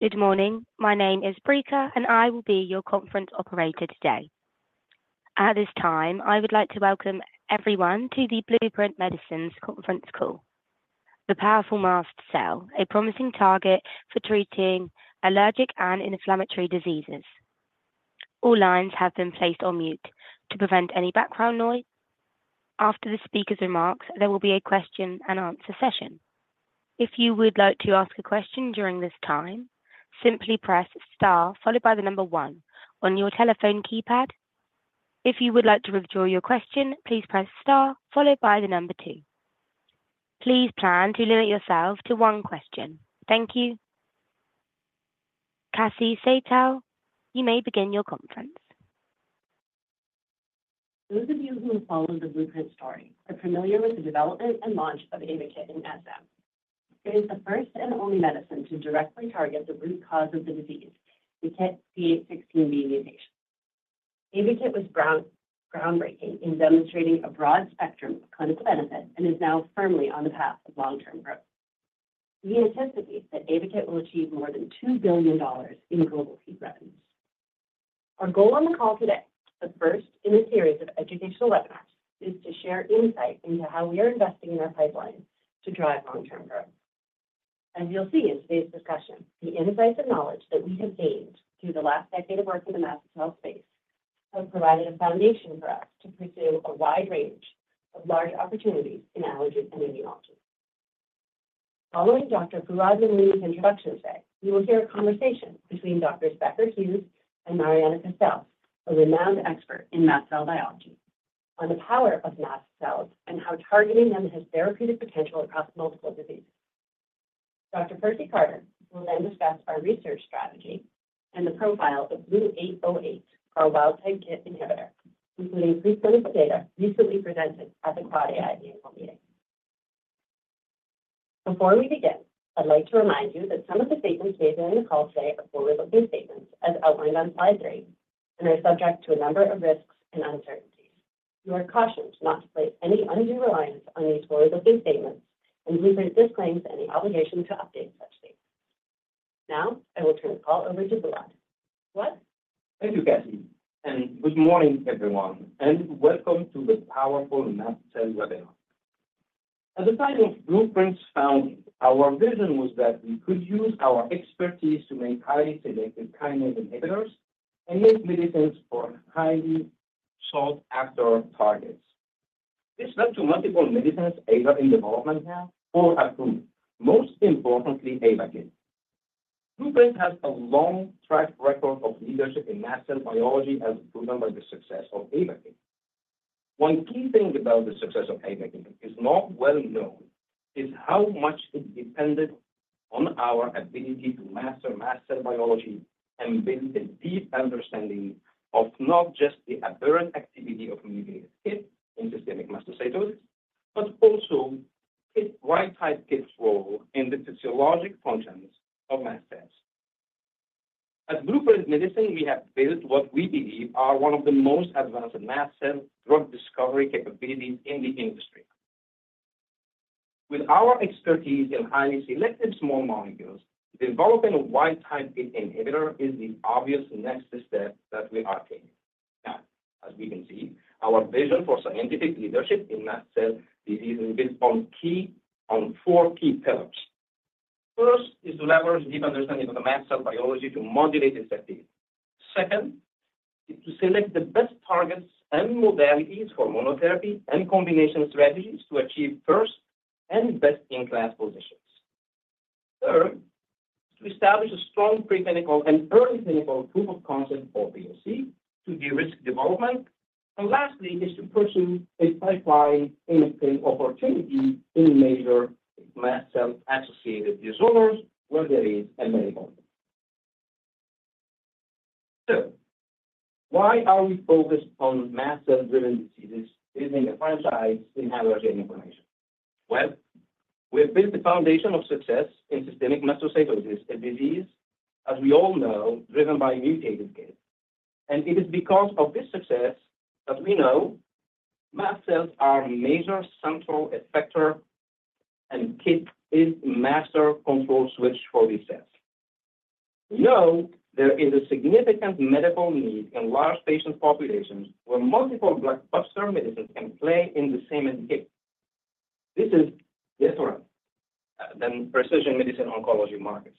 Good morning. My name is Breaker, and I will be your conference operator today. At this time, I would like to welcome everyone to the Blueprint Medicines conference call. The powerful mast cell, a promising target for treating allergic and inflammatory diseases. All lines have been placed on mute to prevent any background noise. After the speaker's remarks, there will be a question-and-answer session. If you would like to ask a question during this time, simply press star followed by the number one on your telephone keypad. If you would like to withdraw your question, please press star followed by the number two. Please plan to limit yourself to one question. Thank you. Cassie Saitow, you may begin your conference. Those of you who have followed the Blueprint story are familiar with the development and launch of AYVAKIT in SM. It is the first and only medicine to directly target the root cause of the disease, the KIT D816V mutation. AYVAKIT was groundbreaking in demonstrating a broad spectrum of clinical benefit and is now firmly on the path of long-term growth. We anticipate that AYVAKIT will achieve more than $2 billion in global peak revenues. Our goal on the call today, the first in a series of educational webinars, is to share insight into how we are investing in our pipeline to drive long-term growth. As you'll see in today's discussion, the insights and knowledge that we have gained through the last decade of work in the mast cell space have provided a foundation for us to pursue a wide range of large opportunities in allergies and immunology. Following Dr. Fouad Namouni's introduction today, you will hear a conversation between Doctors Becker Hewes and Mariana Castells, a renowned expert in mast cell biology, on the power of mast cells and how targeting them has therapeutic potential across multiple diseases. Dr. Percy Carter will then discuss our research strategy and the profile of BLU-808, our wild-type KIT inhibitor, including preclinical data recently presented at the AAAAI annual meeting. Before we begin, I'd like to remind you that some of the statements made during the call today are forward-looking statements as outlined on slide three, and are subject to a number of risks and uncertainties. You are cautioned not to place any undue reliance on these forward-looking statements, and Blueprint disclaims any obligation to update such statements. Now, I will turn the call over to Fouad. Fouad? Thank you, Cassie, and good morning, everyone, and welcome to the powerful mast cell webinar. At the time of Blueprint's founding, our vision was that we could use our expertise to make highly selective Kinase inhibitors make highly selective kinase inhibitors and make medicines for highly sought-after targets. This led to multiple medicines either in development now or approved, most importantly, AYVAKIT. Blueprint has a long track record of leadership in mast cell biology, as proven by the success of AYVAKIT. One key thing about the success of AYVAKIT is not well known is how much it depended on our ability to master mast cell biology and build a deep understanding of not just the aberrant activity of mutated KIT in systemic mastocytosis, but also its wild-type KIT's role in the physiologic functions of mast cells. At Blueprint Medicines, we have built what we believe are one of the most advanced mast cell drug discovery capabilities in the industry. With our expertise in highly selective small molecules, developing a wild-type KIT inhibitor is the obvious next step that we are taking. Now, as we can see, our vision for scientific leadership in mast cell disease is built on four key pillars. First is to leverage a deep understanding of the mast cell biology to modulate its activity. Second, is to select the best targets and modalities for monotherapy and combination strategies to achieve first and best-in-class positions. Third, to establish a strong preclinical and early clinical proof of concept or POC to de-risk development. And lastly, is to pursue a pipeline in opportunity in major mast cell-associated disorders where there is a medical need. So why are we focused on mast cell-driven diseases, building a franchise in allergy and inflammation? Well, we have built a foundation of success in systemic mastocytosis, a disease, as we all know, driven by a mutated KIT. And it is because of this success that we know mast cells are a major central effector, and KIT is master control switch for these cells. We know there is a significant medical need in large patient populations where multiple blockbuster medicines can play in the same indication. This is different than precision medicine oncology markets.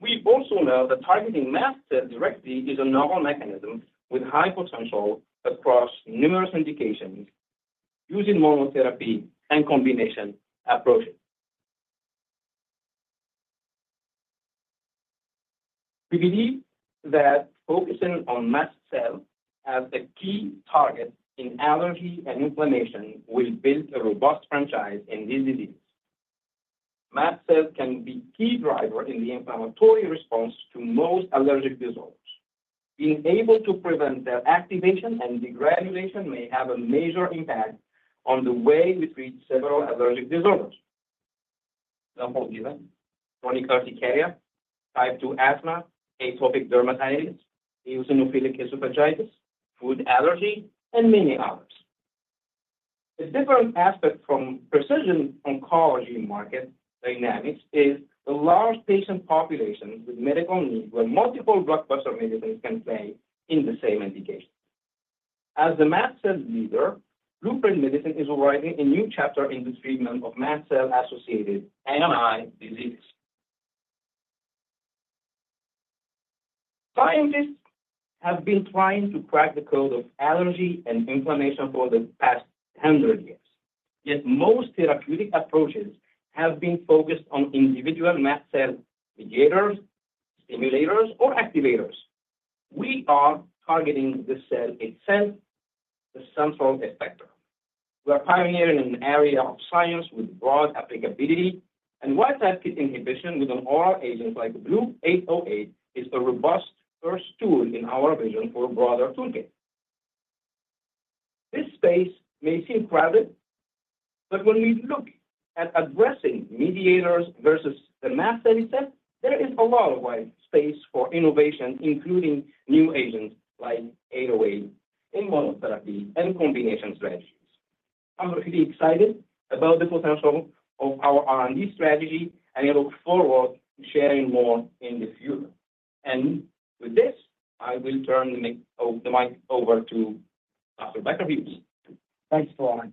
We also know that targeting mast cells directly is a novel mechanism with high potential across numerous indications using monotherapy and combination approaches. We believe that focusing on mast cells as the key target in allergy and inflammation will build a robust franchise in these diseases. Mast cells can be key driver in the inflammatory response to most allergic disorders. Being able to prevent their activation and degranulation may have a major impact on the way we treat several allergic disorders. Example given, chronic urticaria, type 2 asthma, atopic dermatitis, eosinophilic esophagitis, food allergy, and many others. A different aspect from precision oncology market dynamics is the large patient populations with medical needs, where multiple blockbuster medicines can play in the same indication. As the mast cell leader, Blueprint Medicines is writing a new chapter in the treatment of mast cell-associated [NMI] diseases. Scientists have been trying to crack the code of allergy and inflammation for the past 100 years. Yet most therapeutic approaches have been focused on individual mast cell mediators, stimulators, or activators. We are targeting the cell itself, the central effector. We are pioneering an area of science with broad applicability, and wild-type inhibition with an oral agent like BLU-808 is a robust first tool in our vision for a broader toolkit. This space may seem crowded, but when we look at addressing mediators versus the mast cell itself, there is a lot of wide space for innovation, including new agents like 808 in monotherapy and combination strategies. I'm really excited about the potential of our R&D strategy, and I look forward to sharing more in the future. With this, I will turn the mic, the mic over to Dr. Becker Hewes. Thanks, Fouad.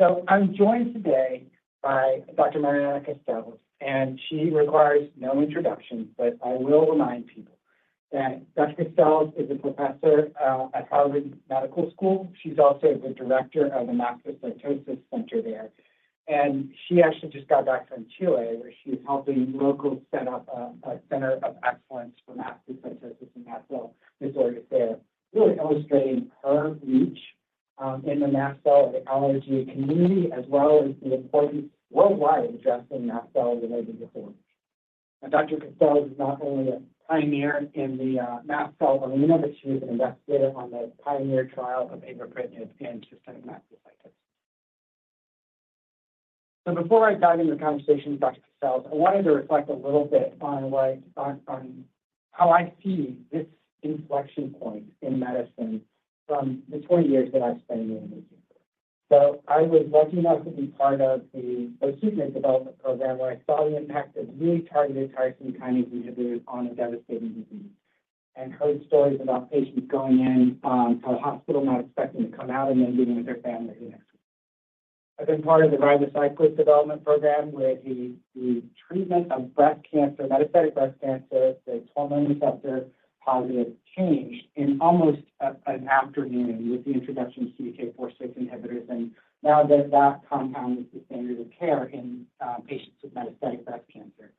So I'm joined today by Dr. Mariana Castells, and she requires no introduction, but I will remind people that Dr. Castells is a professor at Harvard Medical School. She's also the director of the Mastocytosis Center there, and she actually just got back from Chile, where she's helping locals set up a center of excellence for mastocytosis and mast cell disorders there. Really illustrating her reach in the mast cell allergy community, as well as the importance worldwide addressing mast cell-related disorders. And Dr. Castells is not only a pioneer in the mast cell arena, but she was an investigator on the pioneer trial of Avapritinib in systemic mastocytosis. So before I dive into the conversation with Dr. Castells, I wanted to reflect a little bit on what—on how I see this inflection point in medicine from the 20 years that I've spent in the industry. So I was lucky enough to be part of the Herceptin development program, where I saw the impact of really targeted tyrosine kinase inhibitors on a devastating disease, and heard stories about patients going in to a hospital not expecting to come out, and then leaving with their family the next week. I've been part of the ribociclib development program, where the treatment of breast cancer, metastatic breast cancer, the hormone receptor-positive, changed in almost an afternoon with the introduction of CDK4/6 inhibitors. And nowadays, that compound is the standard of care in patients with metastatic breast cancer.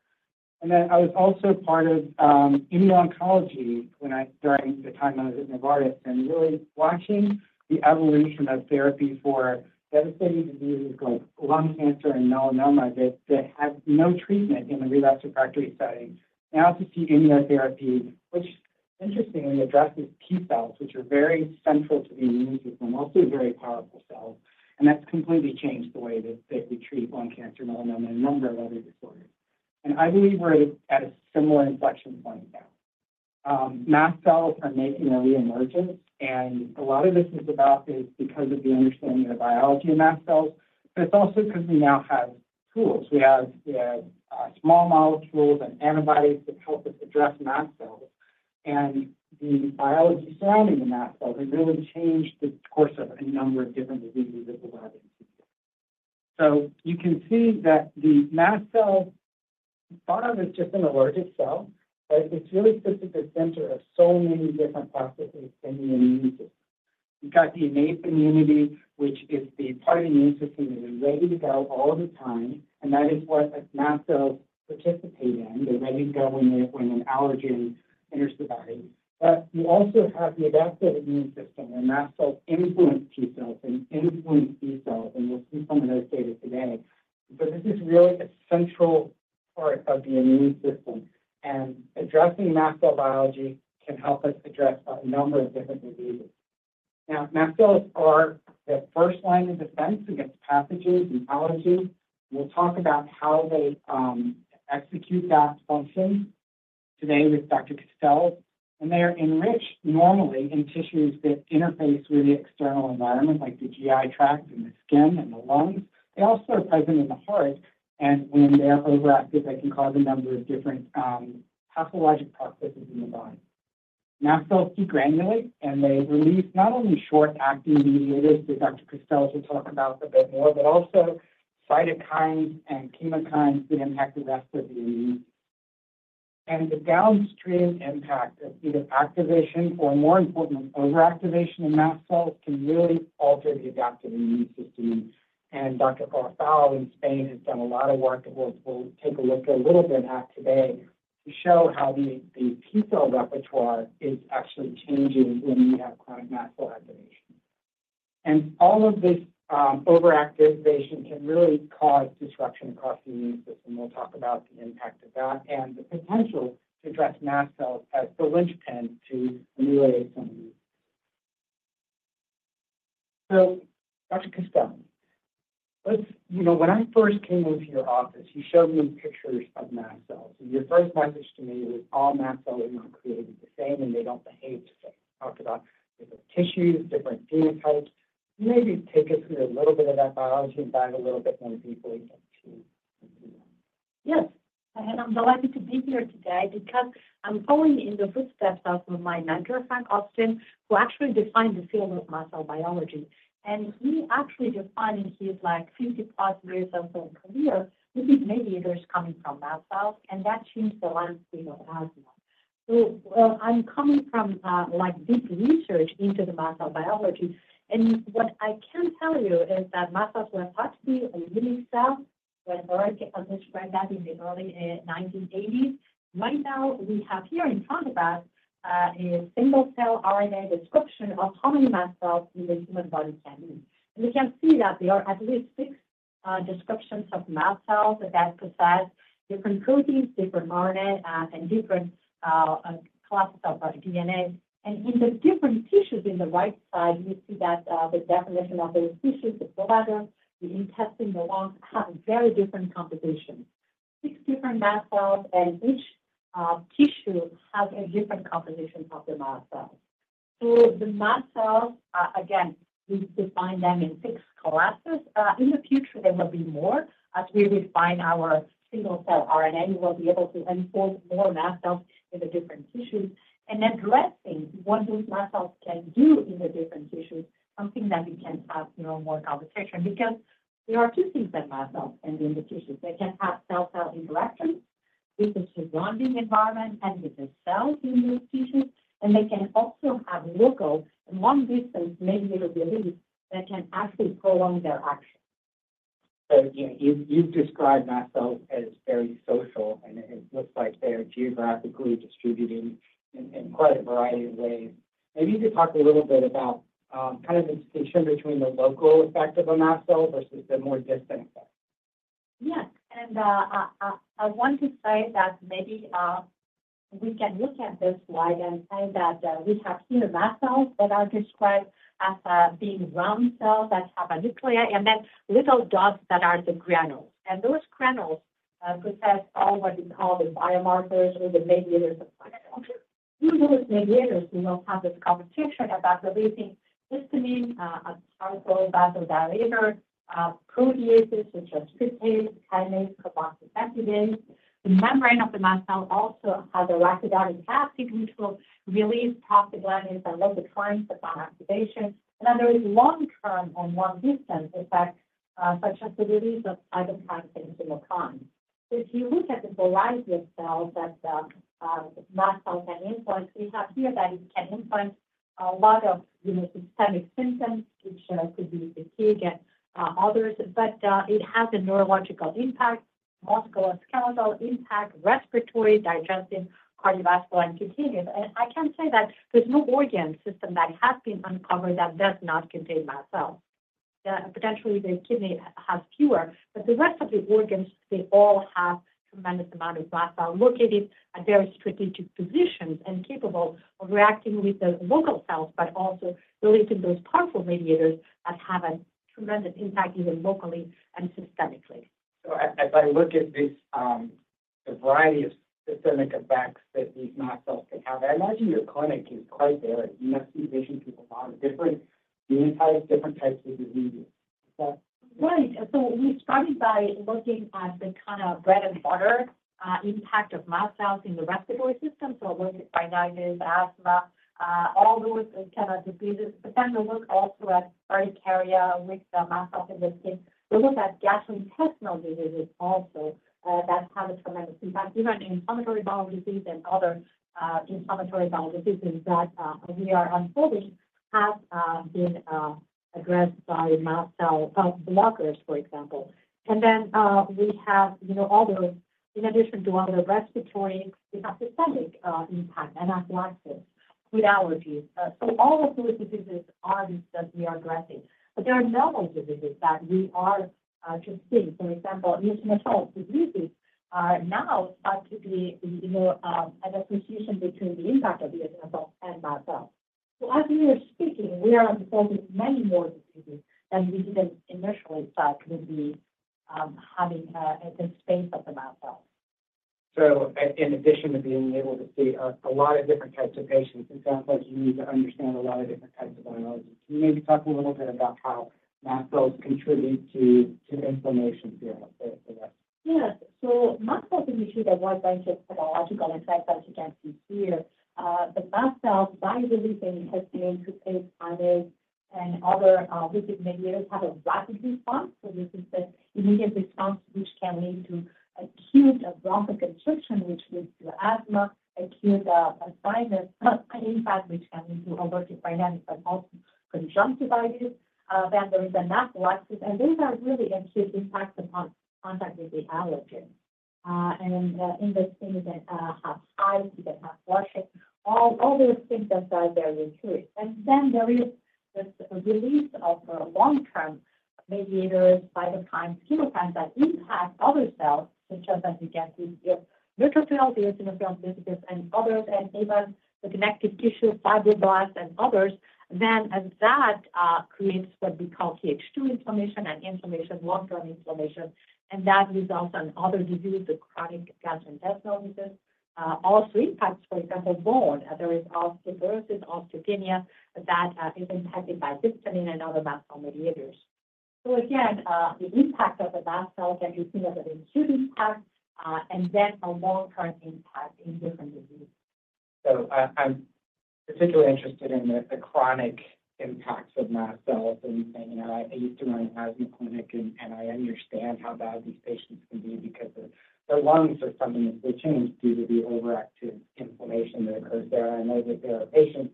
Then I was also part of immuno-oncology when I was at Novartis, and really watching the evolution of therapy for devastating diseases like lung cancer and melanoma that had no treatment in the relapsed refractory setting. Now to see immunotherapy, which interestingly addresses T-cells, which are very central to the immune system, also very powerful cells, and that's completely changed the way that we treat lung cancer, melanoma, and a number of other disorders. And I believe we're at a similar inflection point now. Mast cells are making a reemergence, and a lot of this is because of the understanding of the biology of mast cells, but it's also because we now have tools. We have small molecules and antibodies that help us address mast cells. The biology surrounding the mast cell has really changed the course of a number of different diseases that we're having. So you can see that the mast cell, part of it's just an allergic cell, but it's really sits at the center of so many different processes in the immune system. You've got the innate immunity, which is the part of the immune system that is ready to go all the time, and that is what the mast cells participate in. They're ready to go when an allergen enters the body. But you also have the adaptive immune system, where mast cells influence T-cells and influence B-cells, and we'll see some of those data today. But this is really a central part of the immune system, and addressing mast cell biology can help us address a number of different diseases. Now, mast cells are the first line of defense against pathogens and allergies. We'll talk about how they execute that function today with Dr. Castells. They are enriched normally in tissues that interface with the external environment, like the GI tract, and the skin, and the lungs. They also are present in the heart, and when they are overactive, they can cause a number of different pathologic processes in the body. Mast cells degranulate, and they release not only short-acting mediators, that Dr. Castells will talk about a bit more, but also cytokines and chemokines that impact the rest of the immune. The downstream impact of either activation or, more importantly, overactivation of mast cells can really alter the adaptive immune system. Dr. Orfao in Spain has done a lot of work, and we'll take a look a little bit at today, to show how the T-cell repertoire is actually changing when you have chronic mast cell activation. And all of this overactivation can really cause disruption across the immune system. We'll talk about the impact of that and the potential to address mast cells as the linchpin to ameliorate some of these. So, Dr. Castells Let's, you know, when I first came into your office, you showed me pictures of mast cells, and your first message to me was, "All mast cells are not created the same, and they don't behave the same." Talked about different tissues, different gene types. Maybe take us through a little bit of that biology, dive a little bit more deeply into the details. Yes, and I'm delighted to be here today because I'm following in the footsteps of my mentor, Frank Austen, who actually defined the field of mast cell biology. He actually defined in his, like, 50-plus years of his own career, we think maybe it is coming from mast cells, and that changed the landscape of asthma. Well, I'm coming from like deep research into the mast cell biology, and what I can tell you is that mast cells were thought to be a unique cell when George described that in the early 1980s. Right now, we have here in front of us a single cell RNA description of how many mast cells in the human body can be. You can see that there are at least six descriptions of mast cells that possess different proteins, different RNA, and different classes of DNA. In the different tissues in the right side, you see that the definition of those tissues, the bladder, the intestine, the lungs, have very different compositions. Six different mast cells, and each tissue has a different composition of the mast cells. So the mast cells, again, we define them in six classes. In the future, there will be more. As we refine our single cell RNA, we will be able to unfold more mast cells in the different tissues. Addressing what those mast cells can do in the different tissues, something that we can have, you know, more conversation. Because there are two things that mast cells can do in the tissues. They can have cell-cell interactions with the surrounding environment and with the cells in those tissues, and they can also have local and long-distance mediators release that can actually prolong their action. So, you've described mast cells as very social, and it looks like they're geographically distributed in quite a variety of ways. Maybe just talk a little bit about kind of the distinction between the local effect of a mast cell versus the more distant effect. Yes, and I want to say that maybe we can look at this slide and say that we have here mast cells that are described as being round cells that have a nucleus, and then little dots that are the granules. And those granules possess all what we call the biomarkers or the mediators of biology. Through those mediators, we now have this conversation about releasing histamine, a powerful vasodilator, proteases, which are tryptase, chymase, carboxypeptidase. The membrane of the mast cell also has arachidonic acid, which will release prostaglandins and leukotrienes upon activation. And then there is long-term and long-distance effects, such as the release of cytokines and chemokines. If you look at the variety of cells that mast cells can influence, we have here that it can influence a lot of, you know, systemic symptoms, which could be fatigue and others. But it has a neurological impact, musculoskeletal impact, respiratory, digestive, cardiovascular, and cutaneous. And I can say that there's no organ system that has been uncovered that does not contain mast cells. Potentially, the kidney has fewer, but the rest of the organs, they all have tremendous amount of mast cell located at very strategic positions and capable of reacting with the local cells, but also releasing those powerful mediators that have a tremendous impact, even locally and systemically. So as I look at this, the variety of systemic effects that these mast cells can have, I imagine your clinic is quite varied. You must see patients with a lot of different gene types, different types of diseases. Is that- Right. So we started by looking at the kind of bread-and-butter impact of mast cells in the respiratory system, so allergic rhinitis, asthma, all those kind of diseases. But then we look also at urticaria with the mast cell in the skin. We look at gastrointestinal diseases also that have a tremendous impact. Even inflammatory bowel disease and other inflammatory bowel diseases that we are unfolding have been addressed by mast cell blockers, for example. And then we have, you know, other. In addition to all the respiratory, we have systemic impact, anaphylaxis, food allergies. So all of those diseases are those that we are addressing. But there are novel diseases that we are just seeing. For example, neurological diseases are now thought to be, you know, an association between the impact of the adrenal and mast cells. So as we are speaking, we are unfolding many more diseases than we even initially thought would be having a space of the mast cell. So on addition to being able to see a lot of different types of patients, it sounds like you need to understand a lot of different types of biology. Can you maybe talk a little bit about how mast cells contribute to inflammation here for that? Yes. So mast cells initiate a wide range of pathological effects, as you can see here. The mast cells, by releasing histamine, tryptase, chymase, and other lipid mediators, have a rapid response. So this is the immediate response, which can lead to acute bronchoconstriction, which leads to asthma, acute sinus impact, which can lead to allergic rhinitis, but also conjunctivitis. Then there is anaphylaxis, and these are really acute impacts upon contact with the allergen. In this thing, you can have hives, you can have flushing, all those symptoms are very acute. And then there is this release of long-term mediators, cytokines, chemokines that impact other cells, such as you can see your neutrophils, eosinophils, basophils, and others, and even the connective tissue fibroblasts and others. Then that creates what we call Th2 inflammation and inflammation, long-term inflammation, and that results in other diseases, the chronic gastrointestinal diseases. Also impacts, for example, bone. There is osteoporosis, osteopenia, that is impacted by histamine and other mast cell mediators. So again, the impact of the mast cells can be seen as an acute impact, and then a long-term impact in different diseases. So I'm particularly interested in the chronic impacts of mast cells. And, you know, I used to run an asthma clinic, and I understand how bad these patients can be because their lungs are permanently changed due to the overactive inflammation that occurs there. I know that there are patients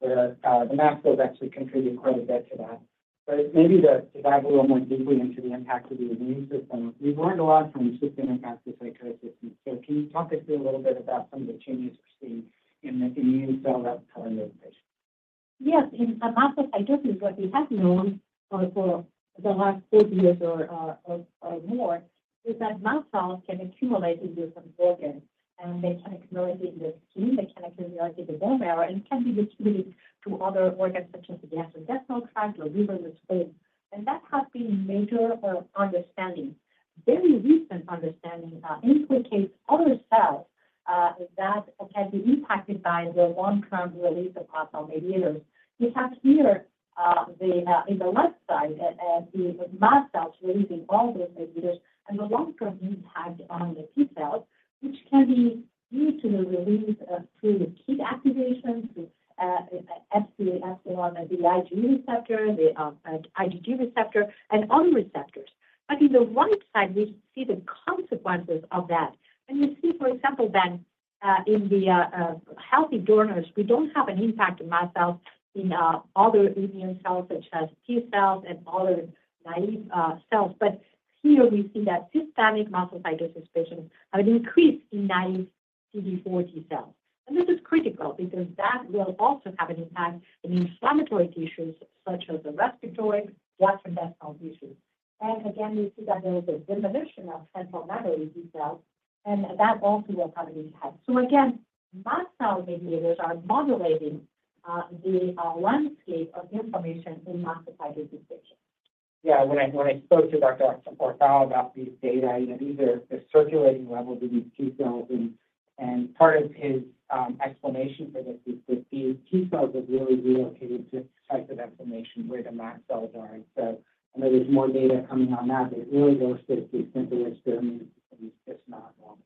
where the mast cells actually contribute quite a bit to that. But maybe to dive a little more deeply into the impact of the immune system, we've learned a lot from systemic mastocytosis. So can you talk us through a little bit about some of the changes we're seeing in the immune cell population? Yes. In mastocytosis, what we have known for the last 30 years or more is that mast cells can accumulate in different organs, and they can accumulate in the skin, they can accumulate in the bone marrow, and can be distributed to other organs such as the gastrointestinal tract, or liver, and spleen. And that has been a major understanding. Very recent understanding implicates other cells that can be impacted by the long-term release of mast cell mediators. We have here, in the left side, the mast cells releasing all those mediators and the long-term impact on the T cells, which can be due to the release of through the [T cell] activation Fc, FcR, and the Ig receptor, the IgG receptor, and other receptors. But in the right side, we see the consequences of that. And you see, for example, in the healthy donors, we don't have an impact of mast cells in other immune cells such as T cells and other naive cells. But here we see that systemic mastocytosis patients have an increase in naive CD4 T cells. And this is critical because that will also have an impact in inflammatory tissues such as the respiratory, gastrointestinal tissues. And again, we see that there is a diminution of central memory T cells, and that also will have an impact. So again, mast cell mediators are modulating the landscape of inflammation in mastocytosis patients. Yeah. When I, when I spoke to Dr. Orfao about these data, you know, these are the circulating levels of these T cells, and, and part of his explanation for this is that these T cells have really relocated to the site of inflammation where the mast cells are. And so, I know there's more data coming on that, but it really goes to the simplest term, it's just not normal.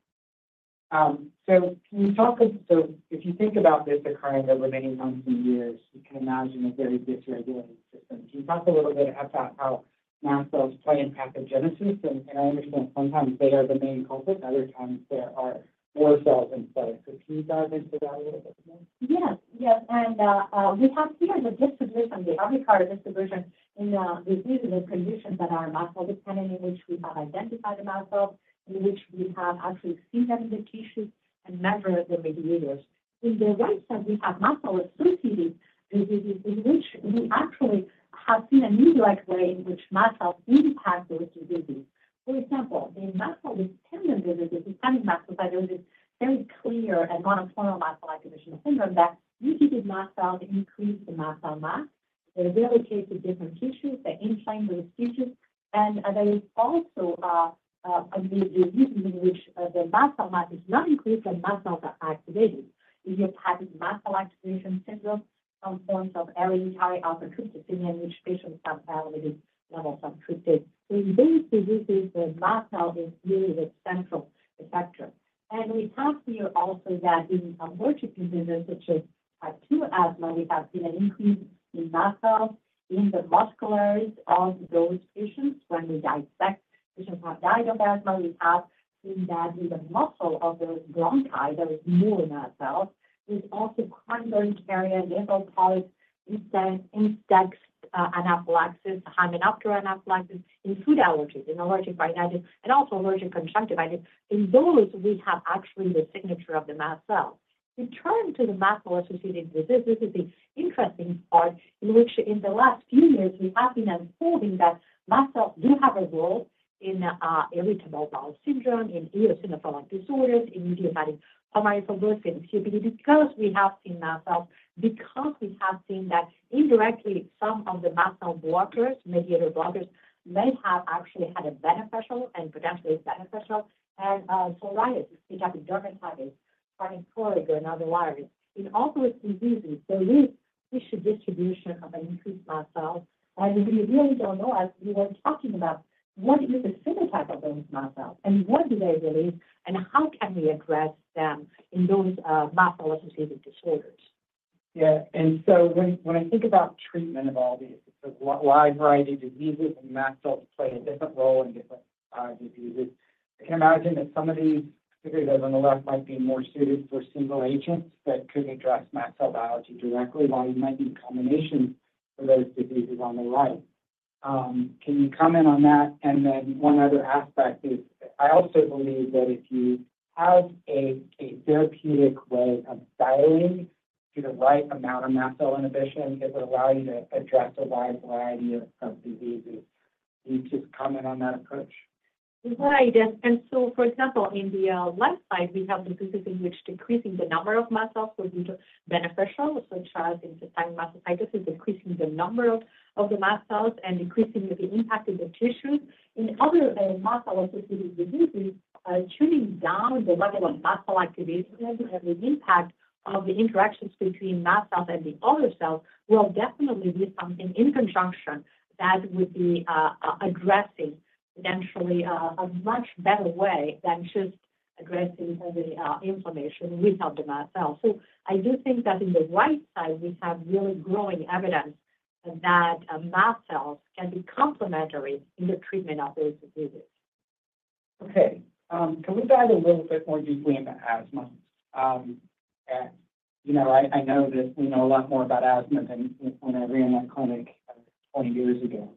So can you talk us... So if you think about this occurring over many months and years, you can imagine a very dysregulated system. Can you talk a little bit about how mast cells play in pathogenesis? And, and I understand sometimes they are the main culprit, other times there are more cells instead. So can you dive into that a little bit more? Yes. Yes, and we have here the distribution, the upper part of distribution in diseases and conditions that are mast cell-dependent, in which we have identified the mast cells, in which we have actually seen them in the tissue and measured the mediators. In the right side, we have mast cell-associated diseases, in which we actually have seen a new direct way in which mast cells impact those two diseases. For example, in mast cell-dependent diseases, systemic mastocytosis, very clear and monoclonal mast cell activation syndrome, that mutated mast cells increase the mast cell mass. They relocate to different tissues. They inflame those tissues. And there is also a disease in which the mast cell mass is not increased, and mast cells are activated. Idiopathic mast cell activation syndrome, some forms of hereditary angioedema, in which patients have family members affected. In these diseases, the mast cell is really the central effector. We have here also that in some allergic diseases such as type two asthma, we have seen an increase in mast cells in the musculature of those patients. When we dissect patients who have died of asthma, we have seen that in the muscle of the bronchi, there is more mast cells. There's also chronic urticaria, nasal polyps, anaphylaxis, high impact anaphylaxis, in food allergies, in allergic rhinitis, and also allergic conjunctivitis. In those, we have actually the signature of the mast cell. We turn to the mast cell-associated diseases. This is the interesting part in which in the last few years, we have been unfolding that mast cells do have a role in, irritable bowel syndrome, in eosinophilic disorders, in idiopathic pulmonary fibrosis, and [SIBO], because we have seen that indirectly, some of the mast cell blockers, mediator blockers, may have actually had a beneficial and potentially beneficial in, psoriasis, dermatitis, chronic colitis, and other viruses. In all those diseases, there is tissue distribution of an increased mast cell, and we really don't know, as we were talking about, what is the phenotype of those mast cells, and what do they release, and how can we address them in those, mast cell-associated disorders? Yeah. And so when I think about treatment of all these, the wide variety of diseases, and mast cells play a different role in different diseases, I can imagine that some of these, particularly those on the left, might be more suited for single agents that could address mast cell biology directly, while you might need combinations for those diseases on the right. Can you comment on that? And then one other aspect is, I also believe that if you have a therapeutic way of dialing to the right amount of mast cell inhibition, it would allow you to address a wide variety of diseases. Can you just comment on that approach? Right. And so, for example, in the left side, we have the diseases in which decreasing the number of mast cells will be beneficial, such as in systemic mastocytosis, decreasing the number of the mast cells and decreasing the impact in the tissues. In other mast cell-associated diseases, tuning down the level of mast cell activation and the impact of the interactions between mast cells and the other cells will definitely be something in conjunction that would be addressing potentially a much better way than just addressing only inflammation without the mast cells. So I do think that in the right side, we have really growing evidence that mast cells can be complementary in the treatment of those diseases. Okay. Can we dive a little bit more deeply into asthma? And, you know, I know that we know a lot more about asthma than when I ran that clinic, 20 years ago.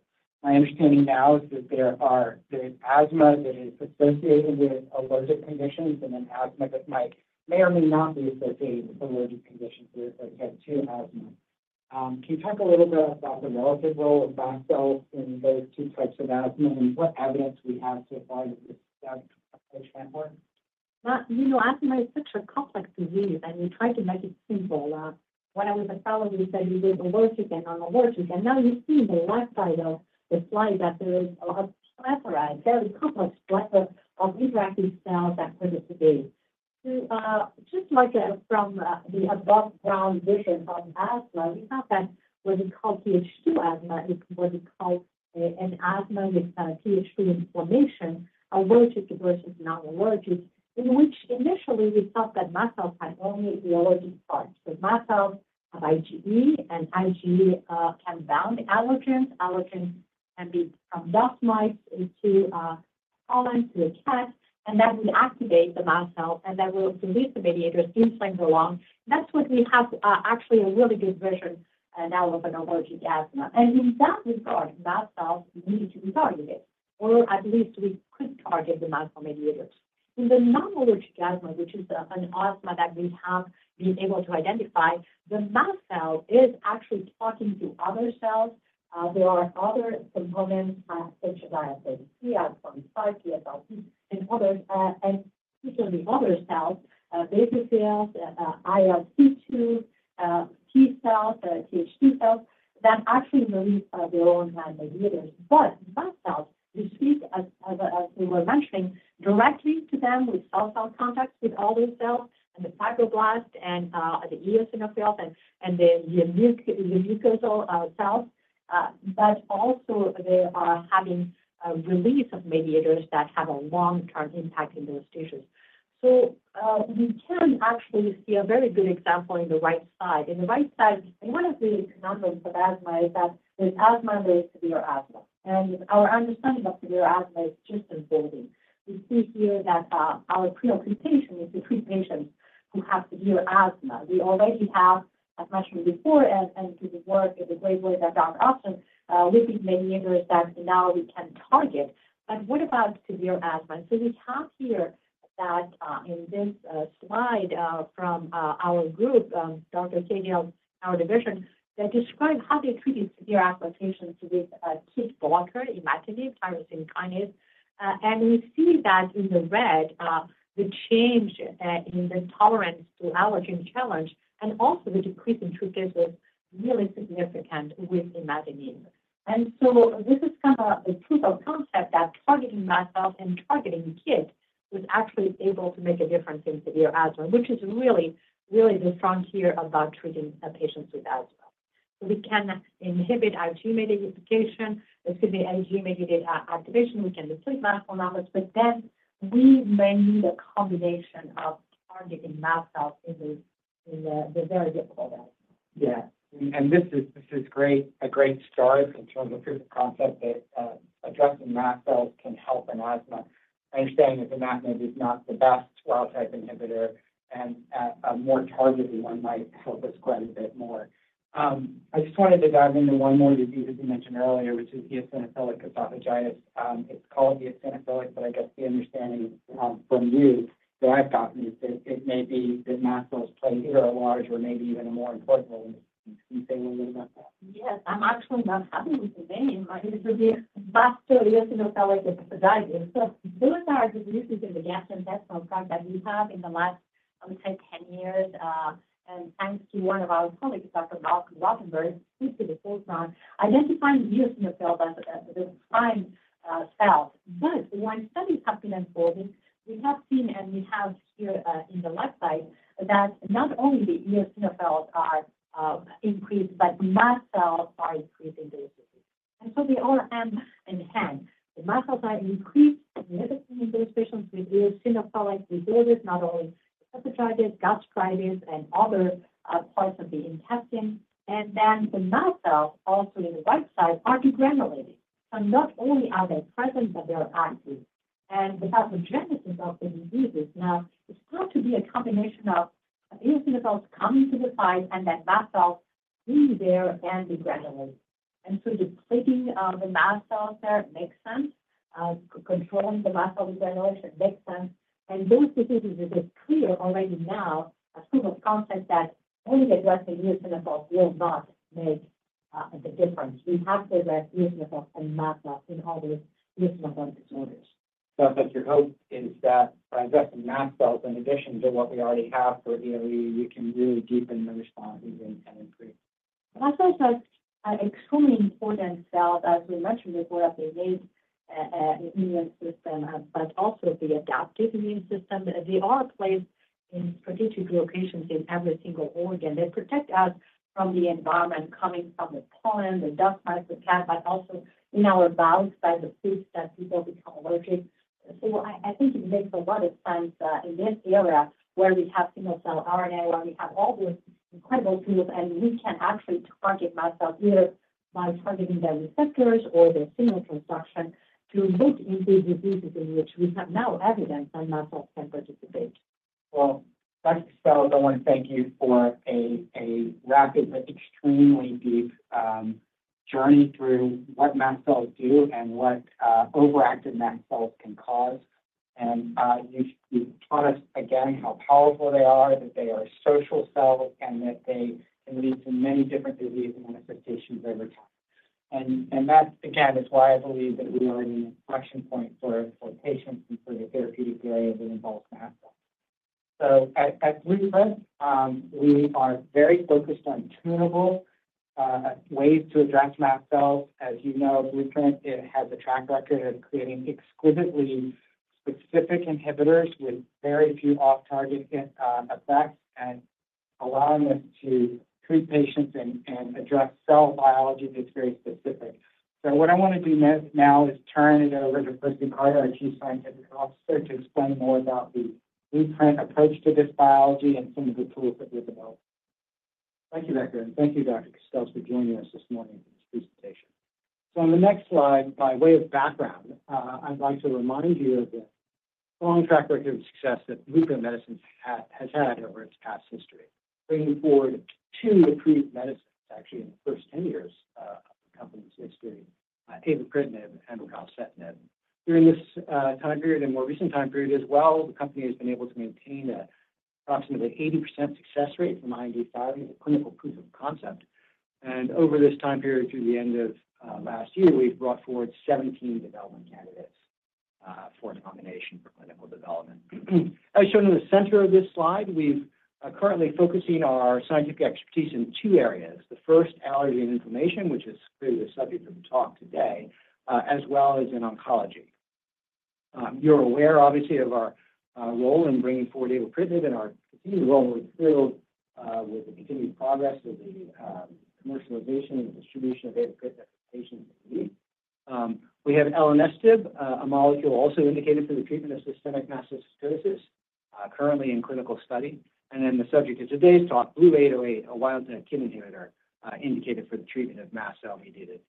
My understanding now is that there's asthma that is associated with allergic conditions, and then asthma that might or may not be associated with allergic conditions, there's like Th2 asthma. Can you talk a little bit about the relative role of mast cells in those two types of asthma and what evidence we have so far that this, that approach might work? Well, you know, asthma is such a complex disease, and we try to make it simple. When I was a fellow, we said it is allergic and non-allergic, and now you see in the left side of the slide that there is a lot of plethora, a very complex plethora of interacting cells that play this disease. So, just like, from the aboveground vision of asthma, we thought that what we call Th2 asthma is what we call a, an asthma with Th2 inflammation, allergic versus non-allergic, in which initially we thought that mast cells had only the allergic part. So mast cells have IgE, and IgE can bind allergens. Allergens can be from dust mites, indoor pollen to the rest, and that will activate the mast cell, and that will release the mediators, inflammation go on. That's what we have, actually a really good version, now of an allergic asthma. In that regard, mast cells need to be targeted, or at least we could target the mast cell mediators. In the non-allergic asthma, which is, an asthma that we have been able to identify, the mast cell is actually talking to other cells. There are other components, such as IL-33, IL-25, TSLP, and others, and especially other cells, basophil, ILC2, T cells, Th2 cells, that actually release their own kind of mediators. But mast cells receive, as we were mentioning, directly to them with cell-cell contacts with all these cells, and the fibroblasts, and the eosinophils, and the neutrophil cells. But also they are having a release of mediators that have a long-term impact in those tissues. So we can actually see a very good example in the right side. In the right side, one of the conundrums of asthma is that there's asthma and there's severe asthma, and our understanding of severe asthma is just unfolding. We see here that our preoccupation is to treat patients who have severe asthma. We already have, as mentioned before, and through the work of the great work of Dr. Austen, with these mediators that now we can target. But what about severe asthma? So we have here that in this slide from our group, Dr. Cahill, our division, that describe how they treated severe asthma patients with KIT blocker, imatinib, tyrosine kinase. And we see that in the red, the change in the tolerance to allergen challenge and also the decrease in tryptase was really significant with imatinib. And so this is kind of a proof of concept that targeting mast cells and targeting KIT was actually able to make a difference in severe asthma, which is really, really the frontier about treating, patients with asthma. So we can inhibit IgE medication—excuse me, IgE-mediated activation. We can deplete mast cell numbers, but then we may need a combination of targeting mast cells in the, in the, the very difficult asthma. Yeah. And this is a great start in terms of proof of concept that addressing mast cells can help in asthma. I understand that imatinib is not the best KIT-type inhibitor, and a more targeted one might help us quite a bit more. I just wanted to dive into one more disease that you mentioned earlier, which is eosinophilic esophagitis. It's called eosinophilic, but I guess the understanding from you that I've gotten is that it may be that mast cells play either a large or maybe even a more important role. Can you say a little about that? Yes. I'm actually not happy with the name. It should be mast cell eosinophilic esophagitis. So those are diseases in the gastrointestinal tract that we have in the last, I would say, 10 years, and thanks to one of our colleagues, Dr. Marc Rothenberg, who did a full time identifying eosinophil as the, the prime, cell. But when studies have been unfolding, we have seen, and we have here, in the left side, that not only the eosinophils are, increased, but mast cells are increased in this disease. And so they all hand in hand. The mast cells are increased significantly in those patients with eosinophilic disorders, not only esophagitis, gastritis, and other, parts of the intestine. And then the mast cells, also in the right side, are degranulating. So not only are they present, but they are active. The pathogenesis of the diseases now is thought to be a combination of eosinophils coming to the site and then mast cells being there and degranulate... and so depleting the mast cells there makes sense. Controlling the mast cell regeneration makes sense. And those diseases, it is clear already now a proof of concept that only addressing eosinophils will not make the difference. We have to address eosinophils and mast cells in all these eosinophilic disorders. But your hope is that by addressing mast cells in addition to what we already have for EoE, we can really deepen the response and improve? Mast cells are extremely important cells, as we mentioned before, they raise the immune system, but also the adaptive immune system. They are placed in strategic locations in every single organ. They protect us from the environment, coming from the pollen, the dust mites, the cat, but also in our bowels, by the foods that people become allergic. So I think it makes a lot of sense, in this area where we have single cell RNA, where we have all these incredible tools, and we can actually target mast cells either by targeting their receptors or their signal transduction to look into diseases in which we have now evidence that mast cells can participate. Well, Dr. Castells, I want to thank you for a rapid but extremely deep journey through what mast cells do and what overactive mast cells can cause. And you, you've taught us again how powerful they are, that they are social cells, and that they can lead to many different disease manifestations over time. And that, again, is why I believe that we are in an inflection point for patients and for the therapeutic areas that involve mast cells. So at Blueprint, we are very focused on tunable ways to address mast cells. As you know, Blueprint, it has a track record of creating exquisitely specific inhibitors with very few off-target effects and allowing us to treat patients and address cell biology that's very specific. So what I want to do next now is turn it over to Percy Carter, our Chief Scientific Officer, to explain more about the Blueprint approach to this biology and some of the tools that we've developed. Thank you, Becker, and thank you, Dr. Castells, for joining us this morning for this presentation. So on the next slide, by way of background, I'd like to remind you of the long track record of success that Blueprint Medicines has had, has had over its past history, bringing forward two approved medicines, actually, in the first 10 years, of the company's history, Avapritinib and pralsetinib. During this time period and more recent time period as well, the company has been able to maintain approximately 80% success rate from IND filing to clinical proof of concept. And over this time period through the end of last year, we've brought forward 17 development candidates for nomination for clinical development. As shown in the center of this slide, we are currently focusing our scientific expertise in two areas. The first, allergy and inflammation, which is clearly the subject of the talk today, as well as in oncology. You're aware, obviously, of our role in bringing forward Avapritinib and our continued role and we're thrilled with the continued progress of the commercialization and distribution of to patients in need. We have Elenestinib, a molecule also indicated for the treatment of systemic mastocytosis, currently in clinical study. And then the subject of today's talk, BLU-808, a wild-type KIT inhibitor, indicated for the treatment of mast cell-mediated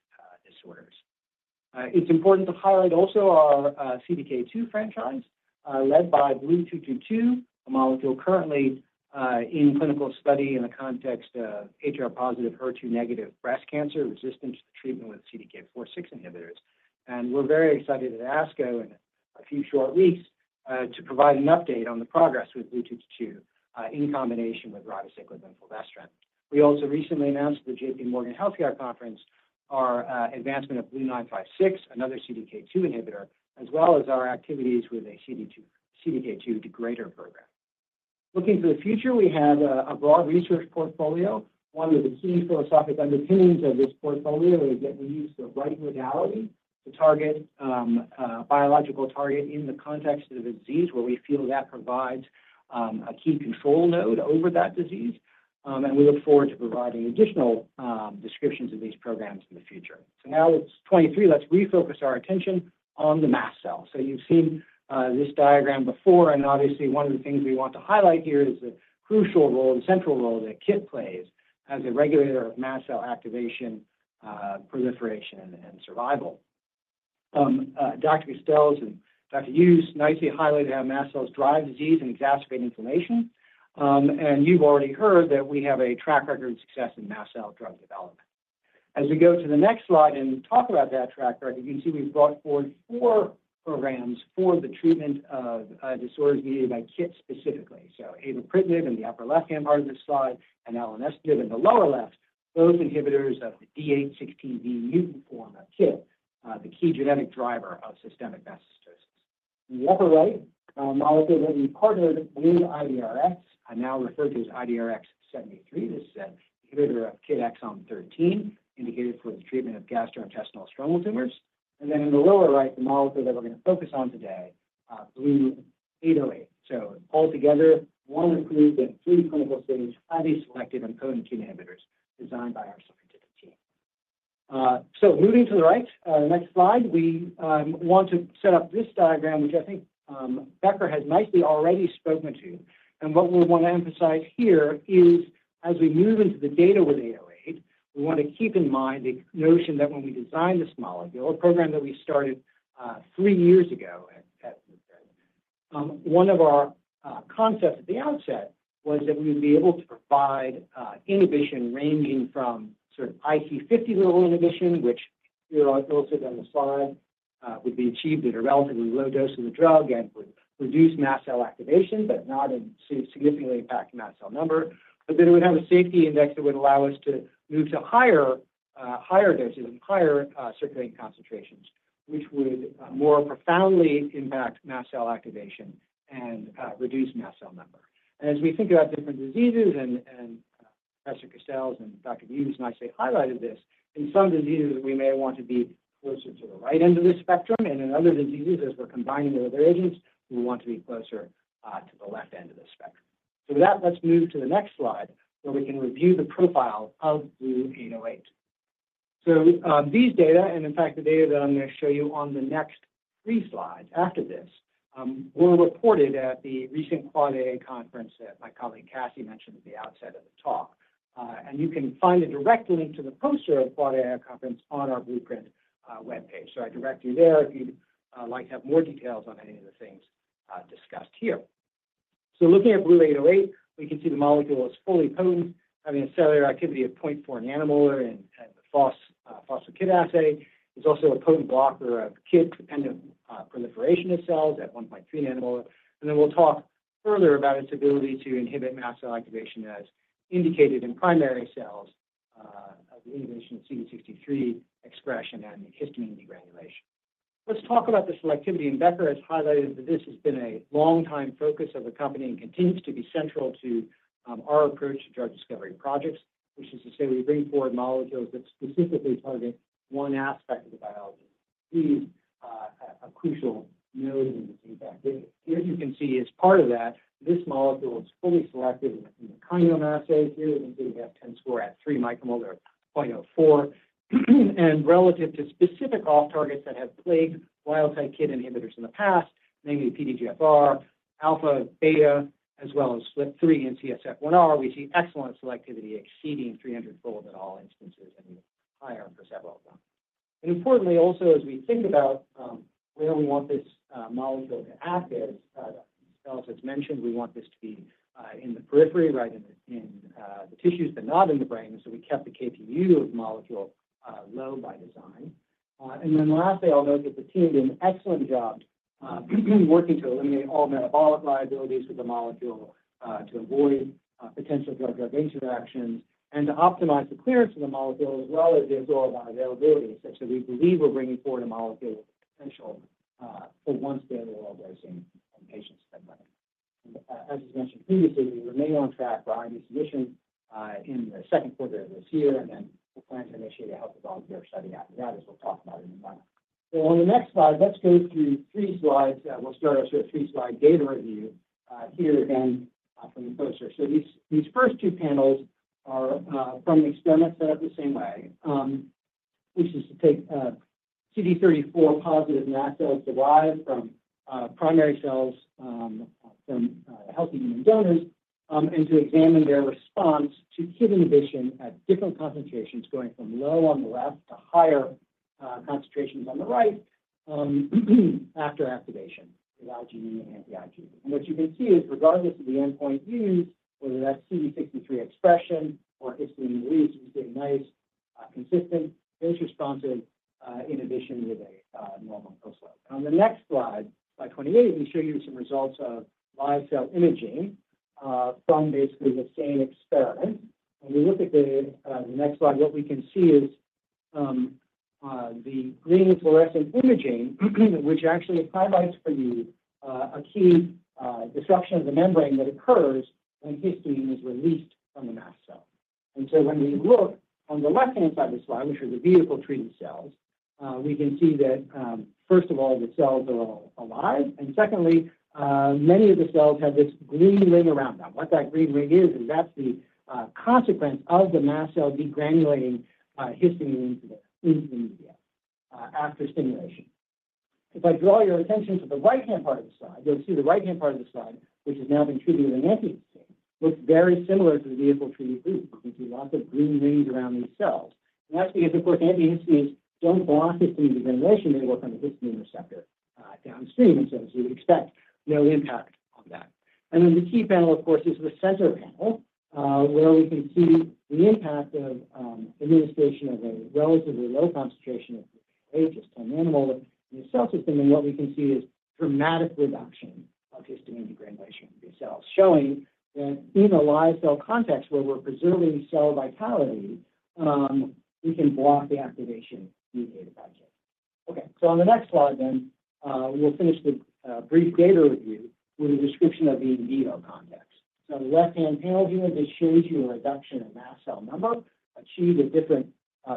disorders. It's important to highlight also our CDK2 franchise, led by BLU-222, a molecule currently in clinical study in the context of HR-positive, HER2-negative breast cancer resistant to treatment with CDK4/6 inhibitors. We're very excited at ASCO in a few short weeks to provide an update on the progress with BLU-222 in combination with Ribociclib and Fulvestrant. We also recently announced at the JPMorgan Healthcare Conference our advancement of BLU-956, another CDK2 inhibitor, as well as our activities with a CDK2 degrader program. Looking to the future, we have a broad research portfolio. One of the key philosophical underpinnings of this portfolio is that we use the right modality to target a biological target in the context of the disease, where we feel that provides a key control node over that disease. We look forward to providing additional descriptions of these programs in the future. So now it's 2023, let's refocus our attention on the mast cell. So you've seen this diagram before, and obviously, one of the things we want to highlight here is the crucial role and central role that KIT plays as a regulator of mast cell activation, proliferation, and survival. Dr. Castells and Dr. Hewes nicely highlighted how mast cells drive disease and exacerbate inflammation. You've already heard that we have a track record of success in mast cell drug development. As we go to the next slide and talk about that track record, you can see we've brought forward four programs for the treatment of disorders mediated by KIT specifically. So Avapritinib in the upper left-hand part of this slide, and Elenestinib in the lower left, those inhibitors of the D816V mutant form of KIT, the key genetic driver of systemic mastocytosis. In the upper right, a molecule that we partnered with IDRX, and now referred to as IDRX-73. This is an inhibitor of KIT Exon 13, indicated for the treatment of gastrointestinal stromal tumors. And then in the lower right, the molecule that we're going to focus on today, BLU-808. So all together, one of the three that three clinical-stage, highly selective and potent KIT inhibitors designed by our scientific team. So moving to the right, next slide, we want to set up this diagram, which I think, Becker has nicely already spoken to. What we want to emphasize here is, as we move into the data with BLU-808, we want to keep in mind the notion that when we designed this molecule, a program that we started three years ago. One of our concepts at the outset was that we would be able to provide inhibition ranging from sort of IC50 level inhibition, which you know, illustrated on the slide, would be achieved at a relatively low dose of the drug and would reduce mast cell activation, but not significantly impact mast cell number. But then it would have a safety index that would allow us to move to higher doses and higher circulating concentrations, which would more profoundly impact mast cell activation and reduce mast cell number. And as we think about different diseases, and Professor Castells and Dr. Hewes nicely highlighted this, in some diseases, we may want to be closer to the right end of the spectrum, and in other diseases, as we're combining with other agents, we want to be closer to the left end of the spectrum. With that, let's move to the next slide, where we can review the profile of BLU-808. These data, and in fact, the data that I'm going to show you on the next three slides after this, were reported at the recent AAAAI conference that my colleague, Cassie, mentioned at the outset of the talk. You can find a direct link to the poster of the AAAAI conference on our Blueprint webpage. So I direct you there if you'd like to have more details on any of the things discussed here. So looking at BLU-808, we can see the molecule is fully potent, having a cellular activity of 0.4 nanomolar in the phospho-KIT assay. It's also a potent blocker of KIT-dependent proliferation of cells at 1.3 nanomolar. And then we'll talk further about its ability to inhibit mast cell activation, as indicated in primary cells of the inhibition of CD63 expression and histamine degranulation. Let's talk about the selectivity, and Becker has highlighted that this has been a long-time focus of the company and continues to be central to our approach to drug discovery projects. Which is to say, we bring forward molecules that specifically target one aspect of the biology. These, a crucial node in this impact. Here you can see as part of that, this molecule is fully selective in the kinase assay. Here we see we have 10 score at three micromolar, 0.04. And relative to specific off targets that have plagued wild-type KIT inhibitors in the past, namely PDGFR alpha, beta, as well as SLIT3 and CSF1R, we see excellent selectivity exceeding 300-fold in all instances, and even higher for several of them. And importantly, also, as we think about where we want this molecule to act, as Dr. Castells has mentioned, we want this to be in the periphery, right in the tissues, but not in the brain, so we kept the Kpu of the molecule low by design. And then lastly, I'll note that the team did an excellent job, working to eliminate all metabolic liabilities of the molecule, to avoid potential drug-drug interactions and to optimize the clearance of the molecule, as well as the absorbable availability. Such that we believe we're bringing forward a molecule with the potential for once daily oral dosing in patients that might... As was mentioned previously, we remain on track for IND submission in the second quarter of this year, and then we'll plan to initiate a healthy volunteer study after that, as we'll talk about in a moment. So on the next slide, let's go through three slides. We'll start off with a three-slide data review, here again, from the poster. So these, these first two panels are from the experiment set up the same way. Which is to take CD34-positive mast cells derived from primary cells from healthy human donors and to examine their response to KIT inhibition at different concentrations, going from low on the left to higher concentrations on the right, after activation with IgE and anti-IgE. And what you can see is, regardless of the endpoint used, whether that's CD63 expression or histamine release, we see a nice consistent, dose-responsive inhibition with a normal profile. On the next slide, slide 28, we show you some results of live cell imaging from basically the same experiment. When we look at the next slide, what we can see is the green fluorescent imaging, which actually highlights for you a key disruption of the membrane that occurs when histamine is released from the mast cell. And so when we look on the left-hand side of the slide, which are the vehicle-treated cells, we can see that, first of all, the cells are all alive. And secondly, many of the cells have this green ring around them. What that green ring is, is that's the consequence of the mast cell degranulating histamine into the media after stimulation. If I draw your attention to the right-hand part of the slide, you'll see the right-hand part of the slide, which has now been treated with an antihistamine, looks very similar to the vehicle-treated group. You see lots of green rings around these cells. And that's because, of course, antihistamines don't block histamine degranulation. They work on the histamine receptor downstream, and so as you'd expect, no impact on that. Then the key panel, of course, is the center panel, where we can see the impact of administration of a relatively low concentration of just 10 nanomolar in the cell system. And what we can see is dramatic reduction of histamine degranulation of these cells, showing that in a live cell context where we're preserving cell vitality, we can block the activation via a project. Okay, so on the next slide then, we'll finish the brief data review with a description of the in vivo context. So the left-hand panel here just shows you a reduction in mast cell number, achieved at different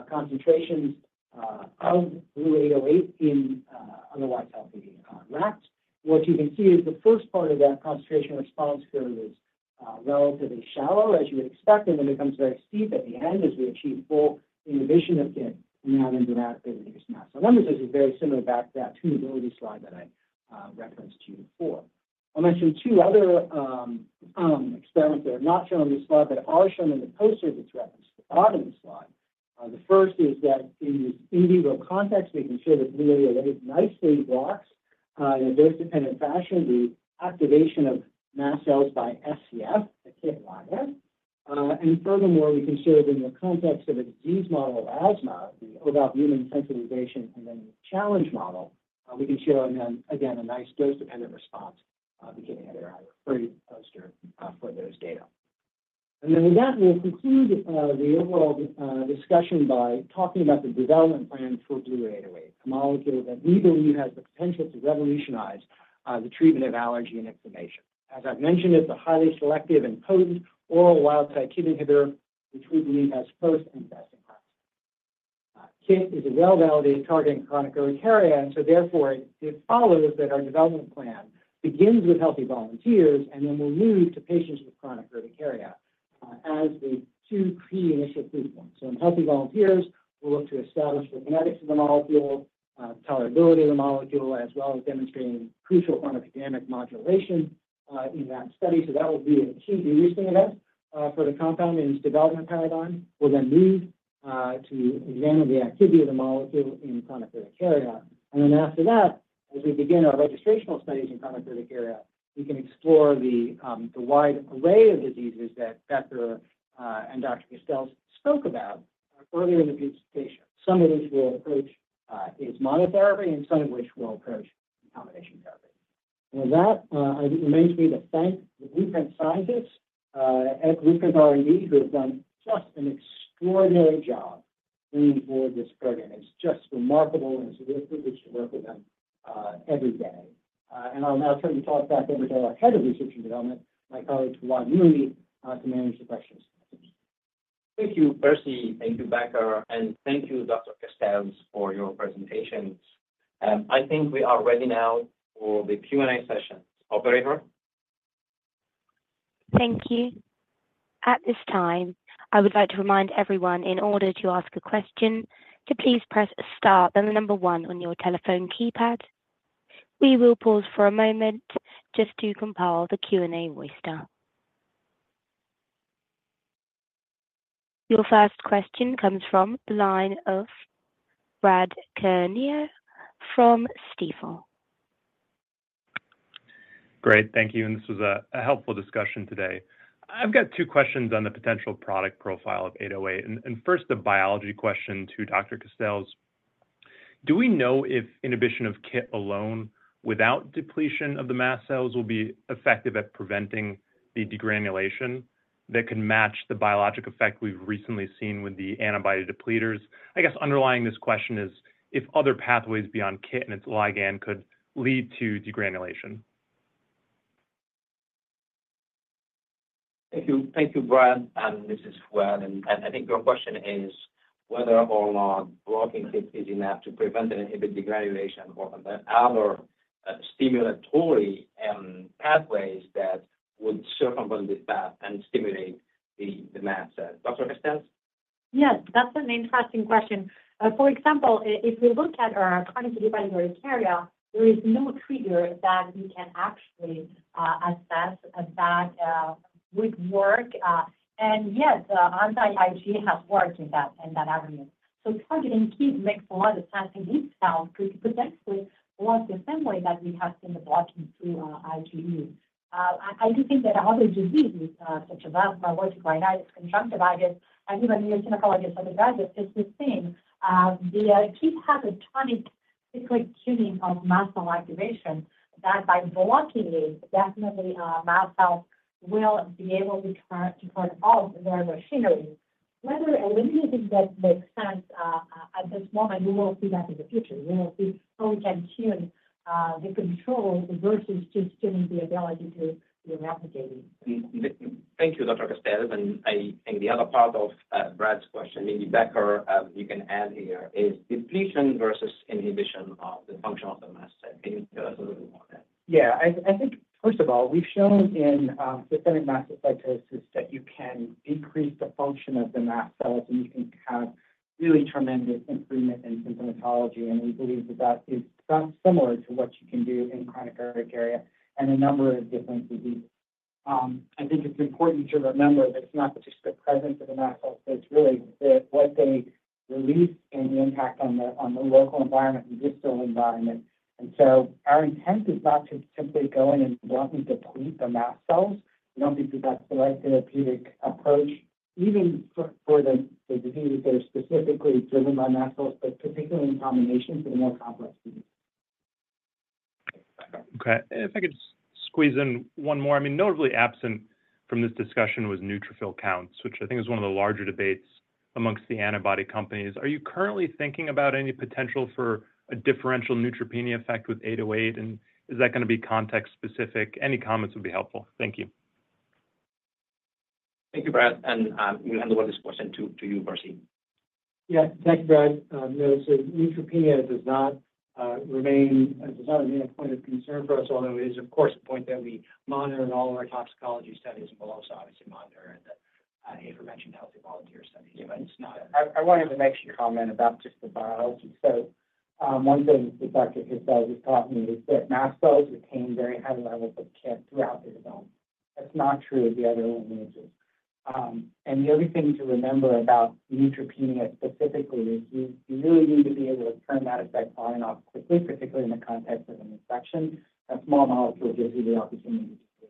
concentrations of BLU-808 in otherwise healthy rats. What you can see is the first part of that concentration response curve is relatively shallow, as you would expect, and then becomes very steep at the end as we achieve full inhibition of KIT and non-activated mast cell. This is very similar back to that tunability slide that I referenced to you before. I'll mention two other experiments that are not shown on this slide, but are shown in the poster that's referenced on the slide. The first is that in this in vivo context, we can show that [BLU-808] nicely blocks in a dose-dependent fashion the activation of mast cells by SCF, the KIT ligand. And furthermore, we can show that in the context of a disease model, asthma, the OVA human sensitization, and then the challenge model, we can show again a nice dose-dependent response. We can get a free poster for those data. Then with that, we'll conclude the overall discussion by talking about the development plans for BLU-808, a molecule that we believe has the potential to revolutionize the treatment of allergy and inflammation. As I've mentioned, it's a highly selective and potent oral wild-type KIT inhibitor, which we believe has first-in-class impact. KIT is a well-validated target in chronic urticaria, and so therefore, it follows that our development plan begins with healthy volunteers and then will move to patients with chronic urticaria as the two key initial proof points. In healthy volunteers, we'll look to establish the kinetics of the molecule, tolerability of the molecule, as well as demonstrating crucial pharmacodynamic modulation in that study. That will be a key de-risking event for the compound in its development paradigm. We'll then move to examine the activity of the molecule in chronic urticaria. Then after that, as we begin our registrational studies in chronic urticaria, we can explore the wide array of diseases that Becker and Dr. Castells spoke about earlier in the presentation. Some of these we'll approach as monotherapy, and some of which we'll approach combination therapy. And with that, it remains me to thank the Blueprint scientists at Blueprint R&D, who have done just an extraordinary job moving forward this program. It's just remarkable, and it's a real privilege to work with them every day. And I'll now turn the talk back over to our head of research and development, my colleague, Fouad Namouni, to manage the questions. Thank you, Percy. Thank you, Becker, and thank you, Dr. Castells, for your presentations. I think we are ready now for the Q&A session. Operator? Thank you. At this time, I would like to remind everyone, in order to ask a question, to please press star, then the number 1 on your telephone keypad. We will pause for a moment just to compile the Q&A register. Your first question comes from the line of Brad Canino from Stifel. Great, thank you, and this was a helpful discussion today. I've got two questions on the potential product profile of 808, and first, a biology question to Dr. Castells. Do we know if inhibition of KIT alone without depletion of the mast cells will be effective at preventing the degranulation that can match the biologic effect we've recently seen with the antibody depleters? I guess underlying this question is if other pathways beyond KIT and its ligand could lead to degranulation. Thank you. Thank you, Brad, and this is Fouad, and I think your question is whether or not blocking KIT is enough to prevent and inhibit degranulation or are there other stimulatory pathways that would circumvent this path and stimulate the mast cell. Dr. Castells? Yes, that's an interesting question. For example, if we look at chronic spontaneous urticaria, there is no trigger that we can actually assess that would work. And yes, anti-IgE has worked in that avenue. So targeting KIT makes a lot of sense in these cells to potentially work the same way that we have seen with blocking through IgE. I do think that other diseases, such as asthma, allergic rhinitis, conjunctivitis, and even eosinophilic esophagitis is the same. The KIT has a tonic cyclic tuning of mast cell activation, that by blocking it, definitely mast cells will be able to turn off their machinery. Whether eliminating that makes sense, at this moment, we will see that in the future. We will see how we can tune the control versus just tuning the ability to navigate it. Thank you, Dr. Castells, and I think the other part of Brad's question, maybe Becker, you can add here, is depletion versus inhibition of the function of the mast cell. Can you tell us a little more about that? Yeah, I, I think first of all, we've shown in systemic mastocytosis that you can increase the function of the mast cells, and you can have really tremendous improvement in symptomatology. And we believe that that is somewhat similar to what you can do in chronic urticaria and a number of different diseases. I think it's important to remember that it's not just the presence of the mast cells, but it's really the, what they release and the impact on the, on the local environment and distal environment. And so our intent is not to simply go in and block and deplete the mast cells. We don't think that that's the right therapeutic approach, even for, for the, the diseases that are specifically driven by mast cells, but particularly in combination for the more complex diseases. Okay. If I could just squeeze in one more. I mean, notably absent from this discussion was neutrophil counts, which I think is one of the larger debates among the antibody companies. Are you currently thinking about any potential for a differential neutropenia effect with BLU-808, and is that gonna be context specific? Any comments would be helpful. Thank you. Thank you, Brad, and we'll hand over this question to you, Percy. Yeah. Thank you, Brad. No, so neutropenia does not remain a point of concern for us, although it is, of course, a point that we monitor in all of our toxicology studies, and we'll also obviously monitor in the intervention healthy volunteer studies. But it's not. I wanted to make a comment about just the biology. So, one thing that Dr. Castells has taught me is that mast cells retain very high levels of KIT throughout their development. That's not true of the other lineages. And the other thing to remember about neutropenia specifically is you really need to be able to turn that effect on and off quickly, particularly in the context of an infection. A small molecule gives you the opportunity to do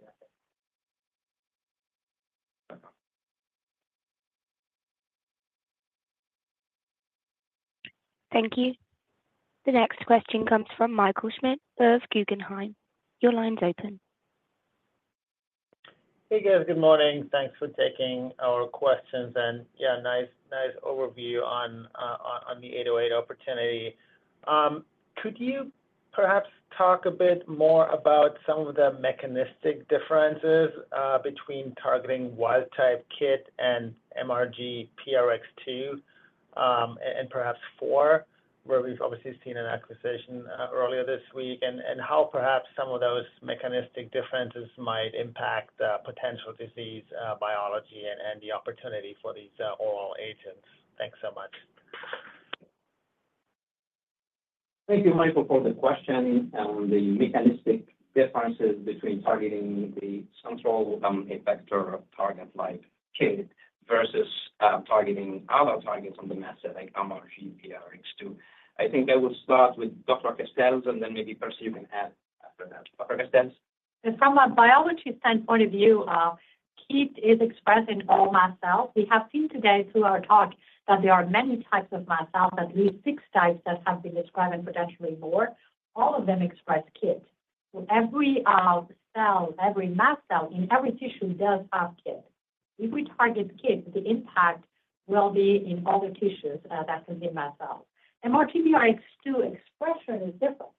that. Thank you. The next question comes from Michael Schmidt of Guggenheim. Your line's open. Hey, guys. Good morning. Thanks for taking our questions. And yeah, nice, nice overview on the 808 opportunity. Could you perhaps talk a bit more about some of the mechanistic differences between targeting wild-type KIT and MRGPRX2, and perhaps MRGPRX4, where we've obviously seen an acquisition earlier this week? And how perhaps some of those mechanistic differences might impact the potential disease biology and the opportunity for these oral agents. Thanks so much. Thank you, Michael, for the question on the mechanistic differences between targeting the control, effector target like KIT versus targeting other targets on the mast cell like MRGPRX2. I think I will start with Dr. Castells, and then maybe Percy, you can add after that. Dr. Castells? From a biology standpoint of view, KIT is expressed in all mast cells. We have seen today through our talk that there are many types of mast cells, at least six types that have been described and potentially more. All of them express KIT. So every cell, every mast cell in every tissue does have KIT. If we target KIT, the impact will be in all the tissues that. Mast cells. MRGPRX2 expression is different.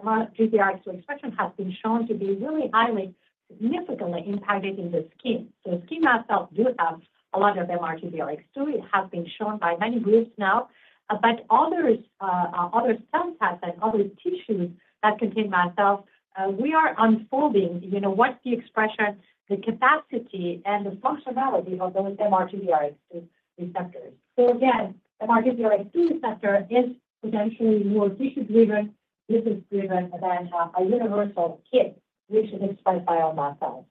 MRGPRX2 expression has been shown to be really highly, significantly impacted in the skin. So skin mast cells do have a lot of MRGPRX2. It has been shown by many groups now. But others, other cell types and other tissues that contain mast cells, we are unfolding, you know, what the expression, the capacity, and the functionality of those MRGPRX2 receptors. So again, MRGPRX2 receptor is potentially more tissue-driven, disease-driven than a universal KIT, which is expressed by all mast cells.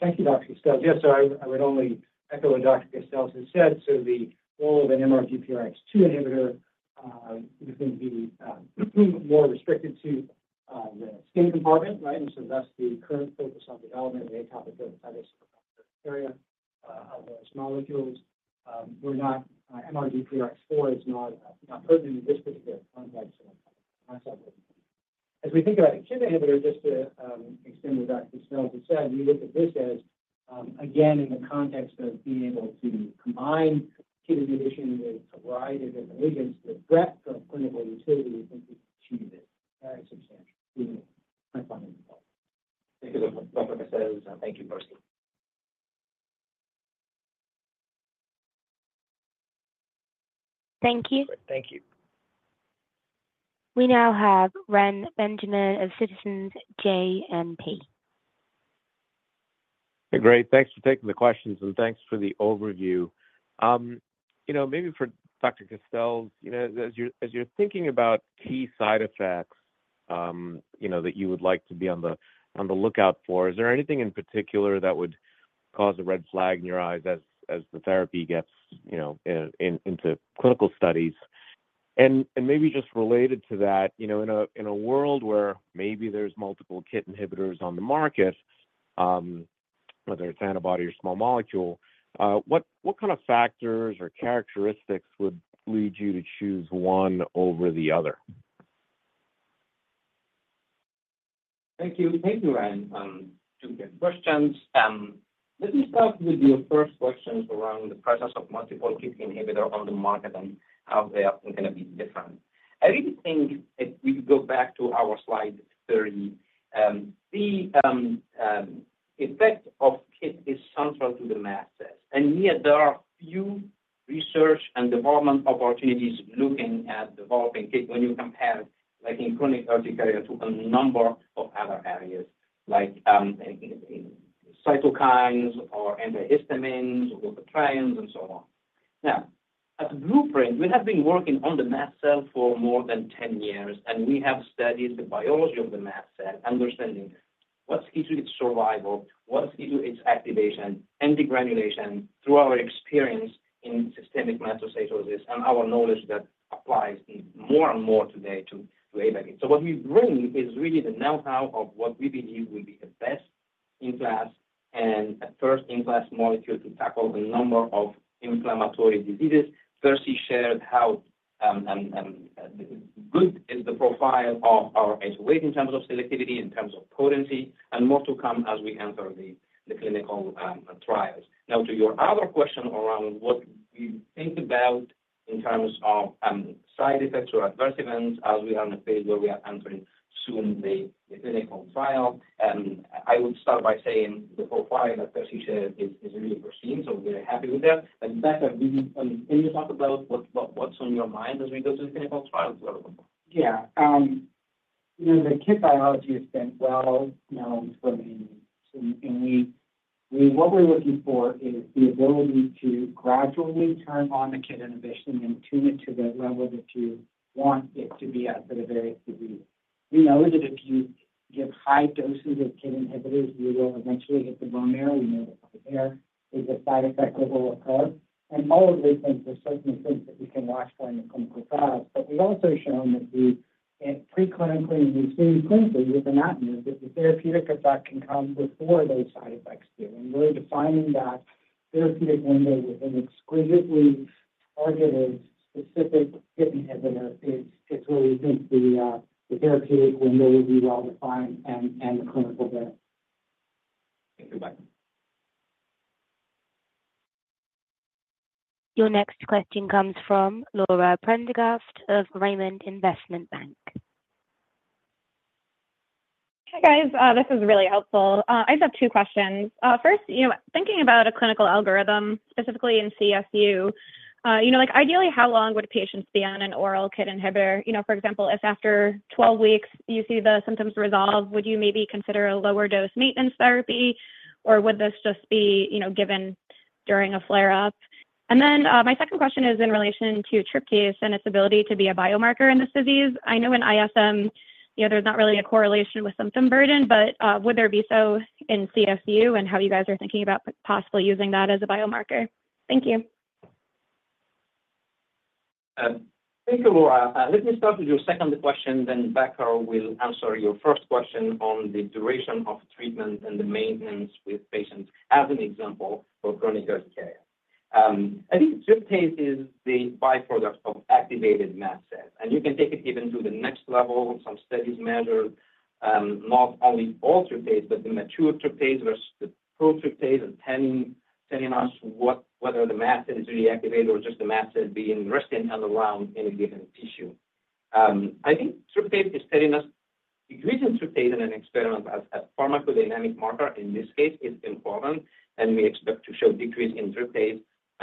Thank you, Dr. Castells. Yes, so I would only echo what Dr. Castells has said. So the role of an MRGPRX2 inhibitor is going to be more restricted to the skin compartment, right? And so that's the current focus on development of atopic dermatitis area of those small molecules. We're not. MRGPRX4 is not pertinent in this particular context and concept. As we think about a KIT inhibitor, just to extend what Dr. Castells has said, we look at this as again, in the context of being able to combine KIT inhibition with a variety of different agents, the breadth of clinical utility, I think, is achieved, is substantial in my point of view. Thank you, Dr. Castells. Thank you, Percy. Thank you. Thank you. We now have Reni Benjamin of Citizens JMP. Hey, great. Thanks for taking the questions, and thanks for the overview. You know, maybe for Dr. Castells, you know, as you're thinking about key side effects, you know, that you would like to be on the lookout for, is there anything in particular that would cause a red flag in your eyes as the therapy gets into clinical studies? And maybe just related to that, you know, in a world where maybe there's multiple KIT inhibitors on the market, whether it's antibody or small molecule, what kind of factors or characteristics would lead you to choose one over the other? Thank you. Thank you, Ren, two good questions. Let me start with your first questions around the presence of multiple KIT inhibitor on the market and how they are gonna be different. I really think if we go back to our slide 30, the effect of KIT is central to the mast cell. And yet there are few research and development opportunities looking at developing KIT when you compare, like in chronic urticaria, to a number of other areas like, in, in cytokines or antihistamines or leukotrienes and so on. Now, at Blueprint, we have been working on the mast cell for more than 10 years, and we have studied the biology of the mast cell, understanding what's key to its survival, what's key to its activation, and degranulation through our experience in systemic mastocytosis and our knowledge that applies more and more today to AYVAKIT. So what we bring is really the know-how of what we believe will be the best-in-class and a first-in-class molecule to tackle a number of inflammatory diseases. Percy shared how good is the profile of our BLU-808 in terms of selectivity, in terms of potency, and more to come as we enter the clinical trials. Now, to your other question around what we think about in terms of side effects or adverse events as we are in a phase where we are entering soon the clinical trial, I would start by saying the profile that Percy shared is really pristine, so we're happy with that. But Percy, can you talk about what's on your mind as we go through the clinical trials as well? Yeah, you know, the KIT biology has been well known for many, many years. What we're looking for is the ability to gradually turn on the KIT inhibition and tune it to the level that you want it to be at for the various disease. We know that if you give high doses of KIT inhibitors, you will eventually hit the bone marrow. We know that there is a side effect that will occur. And all of these things are certainly things that we can watch for in the clinical trials. But we've also shown that, in preclinically, and we've seen clinically with Avapritinib, that the therapeutic effect can come before those side effects do. And really defining that therapeutic window with an exquisitely targeted specific inhibitor, it's where we think the therapeutic window will be well-defined and the clinical benefit. Thank you, bye. Your next question comes from Laura Prendergast of Raymond James. Hi, guys. This is really helpful. I just have two questions. First, you know, thinking about a clinical algorithm, specifically in CSU, you know, like, ideally, how long would a patient be on an oral KIT inhibitor? You know, for example, if after 12 weeks you see the symptoms resolve, would you maybe consider a lower dose maintenance therapy, or would this just be, you know, given during a flare-up? And then, my second question is in relation to tryptase and its ability to be a biomarker in this disease. I know in ISM, you know, there's not really a correlation with symptom burden, but, would there be so in CSU and how you guys are thinking about possibly using that as a biomarker? Thank you. Thank you, Laura. Let me start with your second question, then Becker will answer your first question on the duration of treatment and the maintenance with patients as an example for chronic urticaria. I think tryptase is the byproduct of activated mast cells, and you can take it even to the next level. Some studies measure not only all tryptase, but the mature tryptase versus the total tryptase, and telling us what - whether the mast cell is really activated or just the mast cell being resting on the ground in a given tissue. I think tryptase is telling us, increasing tryptase in an experiment as pharmacodynamic marker in this case is important, and we expect to show decrease in tryptase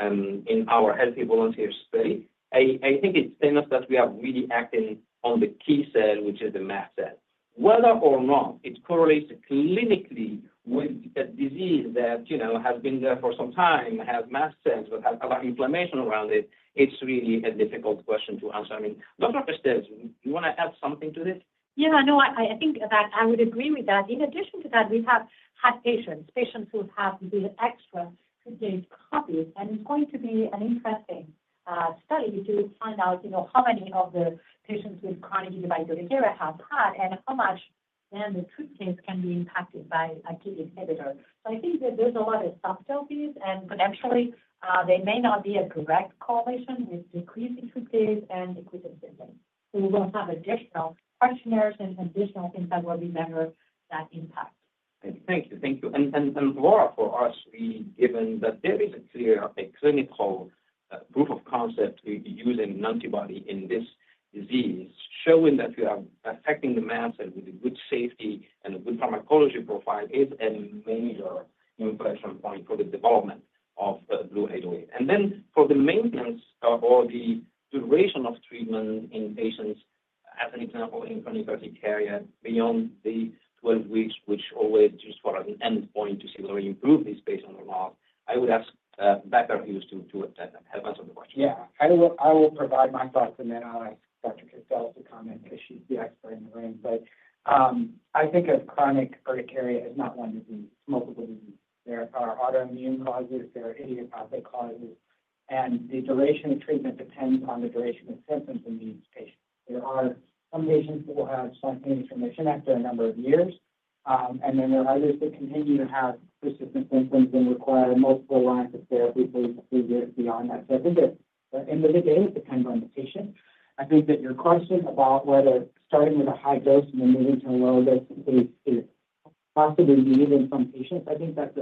in our healthy volunteer study. I, I think it's telling us that we are really acting on the key cell, which is the mast cell. Whether or not it correlates clinically with a disease that, you know, has been there for some time, has mast cells, but has a lot of inflammation around it, it's really a difficult question to answer. I mean, Dr. Castells, you wanna add something to this? Yeah, no, I think that I would agree with that. In addition to that, we have had patients, patients who have the extra tryptase copies, and it's going to be an interesting study to find out, you know, how many of the patients with chronic idiopathic urticaria have had, and how much then the tryptase can be impacted by a KIT inhibitor. So I think that there's a lot of subtleties, and potentially, there may not be a direct correlation with decrease in tryptase and decrease in symptoms. So we will have additional questionnaires and additional things that will measure that impact. Thank you. Thank you. And Laura, for us, we—given that there is a clear, a clinical proof of concept with using an antibody in this disease, showing that we are affecting the mast cell with a good safety and a good pharmacology profile is a major inflection point for the development of BLU-808. And then for the maintenance or the duration of treatment in patients, as an example, in chronic urticaria, beyond the 12 weeks, which always just for an endpoint to see whether you improve this based on the log, I would ask Becker Hewes to attend and answer the question. Yeah. I will provide my thoughts and then I'll ask Dr. Castells to comment, because she's the expert in the room. But, I think of chronic urticaria as not one disease, it's multiple diseases. There are autoimmune causes, there are idiopathic causes, and the duration of treatment depends on the duration of symptoms in these patients. There are some patients who will have spontaneous remission after a number of years, and then there are others that continue to have persistent symptoms and require multiple lines of therapy for years beyond that. So I think at the end of the day, it depends on the patient. I think that your question about whether starting with a high dose and then moving to a low dose is possibly needed in some patients. I think that's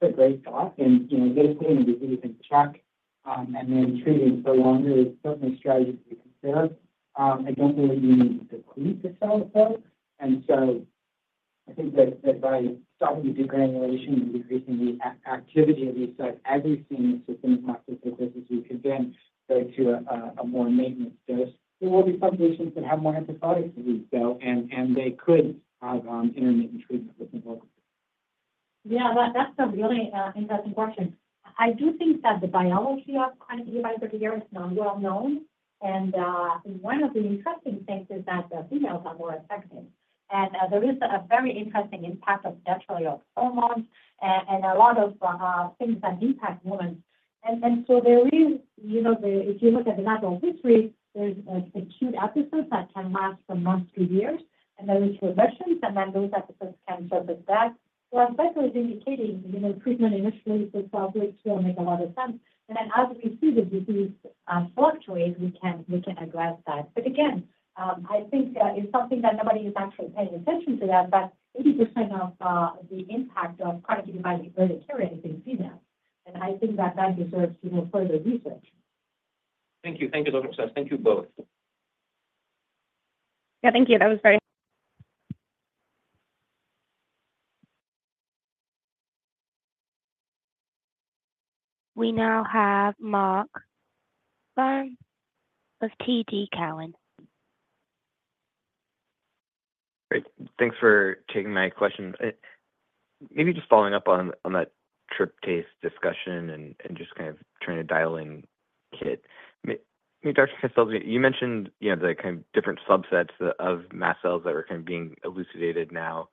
a great thought. You know, getting the disease in check, and then treating for longer is certainly a strategy to be considered. I don't believe you need to decrease the cell, though. And so I think that by stopping the degranulation and decreasing the activity of these cells as we've seen with some of the practices, you could then go to a more maintenance dose. There will be some patients that have more episodic disease, though, and they could have intermittent treatment with involved. Yeah, that, that's a really interesting question. I do think that the biology of chronic idiopathic urticaria is not well known. And one of the interesting things is that the females are more affected. And there is a very interesting impact of dietary or hormones and a lot of things that impact women. And so there is, you know, the if you look at the natural history, there's acute episodes that can last from months to years, and there is regressions, and then those episodes can surface back. So as Becker was indicating, you know, treatment initially for 12 weeks will make a lot of sense. And then as we see the disease fluctuate, we can address that. But again, I think it's something that nobody is actually paying attention to that, but 80% of the impact of Chronic Idiopathic Urticaria is in females. And I think that that deserves, you know, further research. Thank you. Thank you, Dr. Castells. Thank you both. Yeah, thank you. That was very... We now have Mark Byrne of TD Cowen. Great. Thanks for taking my questions. Maybe just following up on, on that tryptase discussion and, and just kind of trying to dial in KIT. Dr. Castells, you mentioned, you know, the kind of different subsets of, of mast cells that are kind of being elucidated now.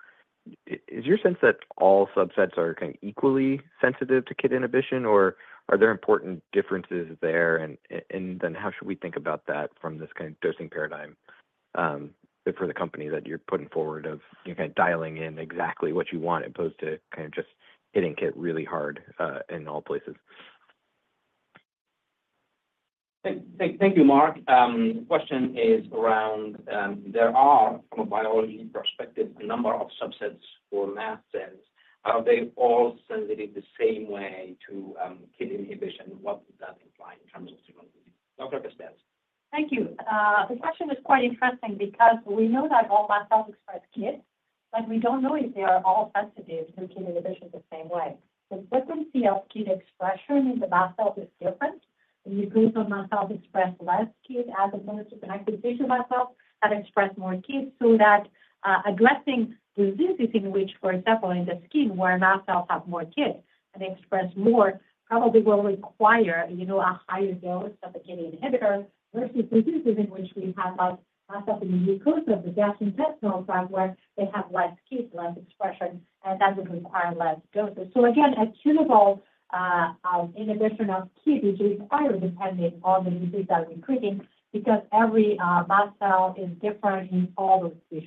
Is your sense that all subsets are kind of equally sensitive to KIT inhibition, or are there important differences there? And, and then how should we think about that from this kind of dosing paradigm, for the company that you're putting forward of, you're kind of dialing in exactly what you want as opposed to kind of just hitting KIT really hard, in all places? Thank you, Mark. The question is around, there are, from a biology perspective, a number of subsets for mast cells. Are they all sensitive the same way to KIT inhibition? What does that imply in terms of signaling? Dr. Castells. Thank you. The question is quite interesting because we know that all mast cells express KIT, but we don't know if they are all sensitive to KIT inhibition the same way. The frequency of KIT expression in the mast cell is different. The mucosal mast cells express less KIT as opposed to connective tissue mast cells that express more KIT. So that, addressing diseases in which, for example, in the skin where mast cells have more KIT and express more, probably will require, you know, a higher dose of a KIT inhibitor versus diseases in which we have mast cell in the mucosa of the gastrointestinal tract, where they have less KIT, less expression, and that would require less doses. Again, a tunable inhibition of KIT, which is highly dependent on the disease that we're treating, because every mast cell is different in all those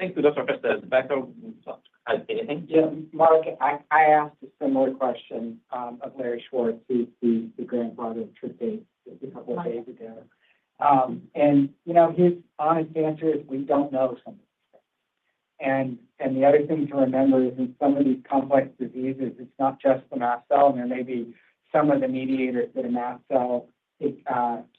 tissues. Thank you, Dr. Castells. Becker, anything? Yeah, Mark, I asked a similar question of Larry Schwartz, the grandfather of tryptase a couple of days ago. You know, his honest answer is, we don't know some. The other thing to remember is in some of these complex diseases, it's not just the mast cell, and there may be some of the mediators that a mast cell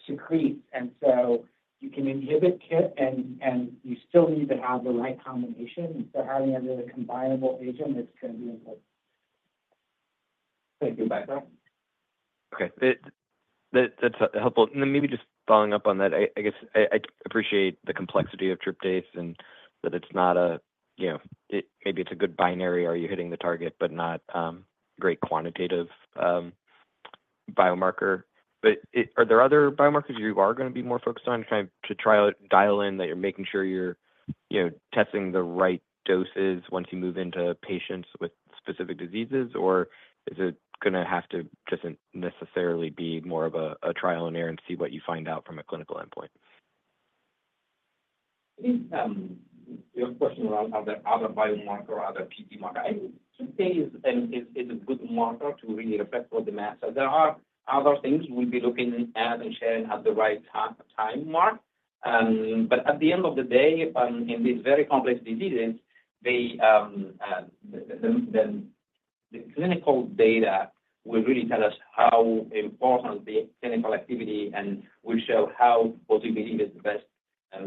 secretes. So you can inhibit KIT, and you still need to have the right combination. So having a really combinable agent is going to be important. Thank you, Becca. Okay. That's helpful. And then maybe just following up on that, I guess I appreciate the complexity of tryptase and that it's not a, you know, maybe it's a good binary, are you hitting the target, but not great quantitative biomarker. But it, are there other biomarkers you are going to be more focused on kind of to try out, dial in, that you're making sure you're, you know, testing the right doses once you move into patients with specific diseases? Or is it going to have to just necessarily be more of a trial and error and see what you find out from a clinical endpoint? Your question around, are there other biomarker, other PT marker. I think tryptase is a good marker to really reflect all the mast cells. There are other things we'll be looking at and sharing at the right time, Mark. But at the end of the day, in these very complex diseases, the clinical data will really tell us how important the clinical activity and will show how positive the best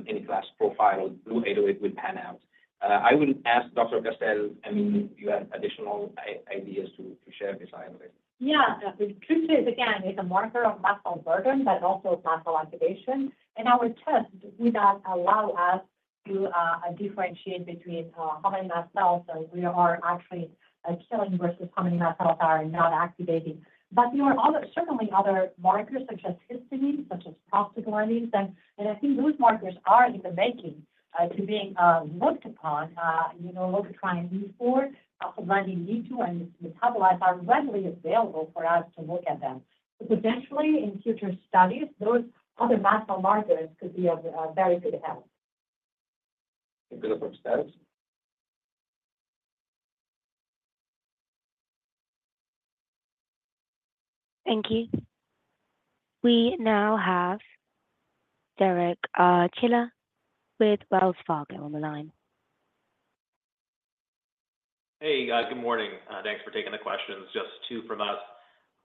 in-class profile through 808 will pan out. I will ask Dr. Castells, I mean, if you have additional ideas to share this anyway. Yeah. Tryptase, again, is a marker of mast cell burden, but also mast cell activation. And our test do not allow us to differentiate between how many mast cells we are actually killing versus how many mast cells are not activating. But there are other, certainly other markers such as histamine, such as prostaglandins, and I think those markers are in the making to being looked upon. You know, leukotriene E4, prostaglandin E2, and metabolites are readily available for us to look at them. So potentially, in future studies, those other mast cell markers could be of very good help. Thank you, Dr. Castells. Thank you. We now have Derek Archila with Wells Fargo on the line. Hey, guys. Good morning. Thanks for taking the questions, just two from us.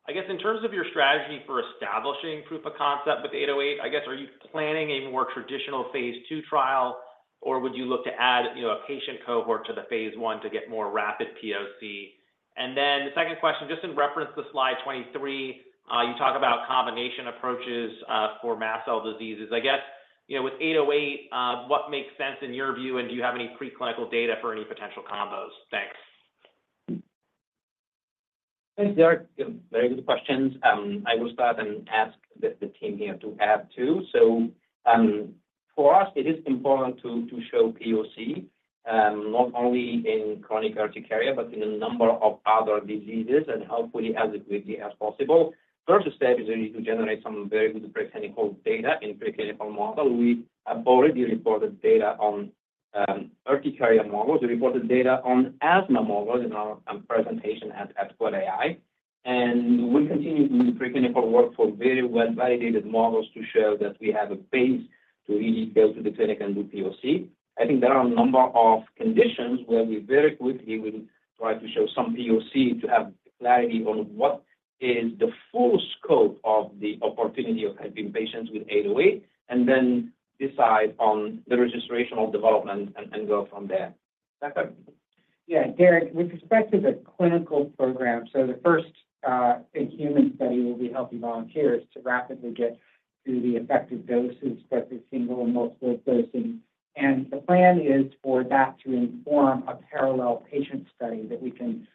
I guess, in terms of your strategy for establishing proof of concept with 808, I guess, are you planning a more traditional phase 2 trial, or would you look to add, you know, a patient cohort to the phase 1 to get more rapid POC? And then the second question, just in reference to slide 23, you talk about combination approaches for mast cell diseases. I guess, you know, with 808, what makes sense in your view, and do you have any preclinical data for any potential combos? Thanks. Thanks, Derek. Very good questions. I will start and ask the team here to add, too. So, for us, it is important to show POC, not only in chronic urticaria, but in a number of other diseases, and hopefully as quickly as possible. First step is we need to generate some very good preclinical data in preclinical model. We have already reported data on urticaria models. We reported data on asthma models in our presentation at Quad AI. We continue to do preclinical work for very well-validated models to show that we have a base to really go to the clinic and do POC. I think there are a number of conditions where we very quickly will try to show some POC to have clarity on what is the full scope of the opportunity of helping patients with BLU-808, and then decide on the registrational development and go from there. Becker? Yeah, Derek, with respect to the clinical program, so the first in human study will be healthy volunteers to rapidly get to the effective doses, both the single and multiple dosing. And the plan is for that to inform a parallel patient study that we can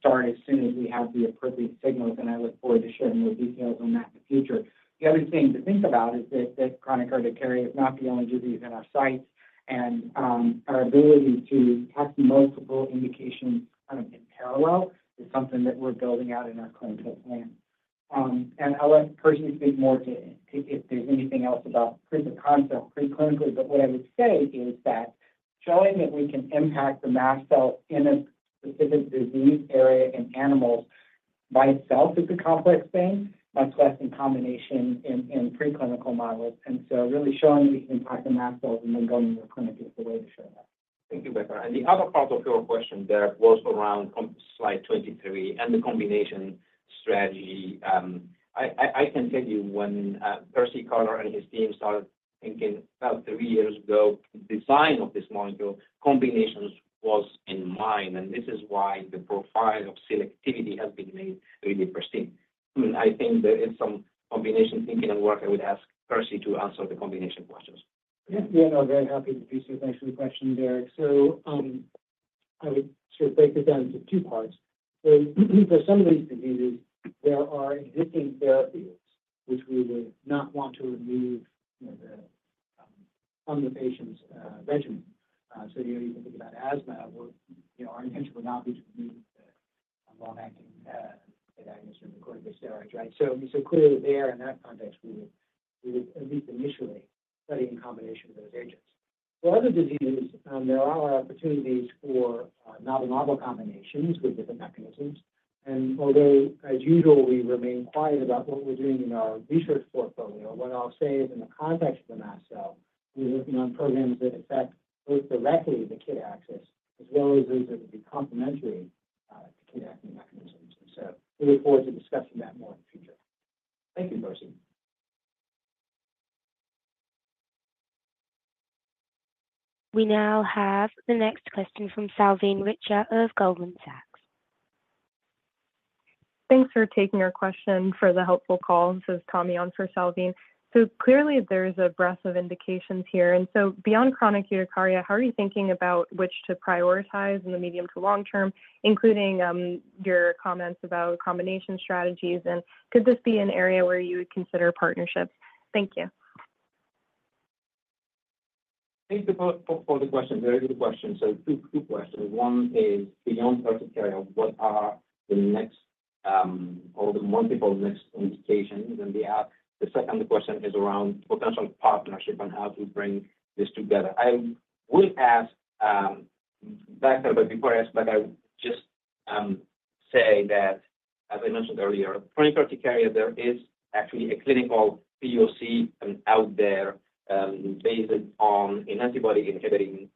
start as soon as we have the appropriate signals, and I look forward to sharing more details on that in the future. The other thing to think about is that chronic urticaria is not the only disease in our sights, and our ability to test multiple indications kind of in parallel is something that we're building out in our clinical plan. And I'll let Percy speak more to if there's anything else about proof of concept preclinically. What I would say is that showing that we can impact the mast cell in a specific disease area in animals by itself is a complex thing, much less in combination in preclinical models. So really showing we can impact the mast cells and then going to the clinic is the way to show that. Thank you, Becker. The other part of your question, Derek, was around slide 23 and the combination strategy. I can tell you when Percy Carter and his team started thinking about three years ago, the design of this molecule, combinations was in mind, and this is why the profile of selectivity has been made really pristine. I think there is some combination thinking and work. I would ask Percy to answer the combination questions. Yeah, yeah, I'm very happy to. Thanks for the question, Derek. So, I would sort of break it down into two parts. So for some of these diseases, there are existing therapies which we would not want to remove, you know, the, from the patient's, regimen. So, you know, you can think about asthma, where, you know, our intention would not be to remove a long-acting, medicine, corticosteroids, right? So, so clearly there, in that context, we would, we would at least initially study in combination with those agents. For other diseases, there are opportunities for, novel, novel combinations with different mechanisms. Although, as usual, we remain quiet about what we're doing in our research portfolio, what I'll say is in the context of the mast cell, we're working on programs that affect both directly the KIT axis, as well as those that would be complementary to KIT acting mechanisms. And so we look forward to discussing that more in the future. Thank you, Percy. We now have the next question from Salveen Richter of Goldman Sachs. Thanks for taking our question for the helpful call. This is Tommy on for Salveen. So clearly there is a breadth of indications here, and so beyond chronic urticaria, how are you thinking about which to prioritize in the medium to long term, including your comments about combination strategies? And could this be an area where you would consider partnerships? Thank you. Thank you for the question. Very good question. So two questions. One is, beyond urticaria, what are the next, or the multiple next indications in the app? The second question is around potential partnership and how to bring this together. I would ask back a bit before, but I would just say that, as I mentioned earlier, chronic urticaria, there is actually a clinical POC out there, based on an antibody inhibiting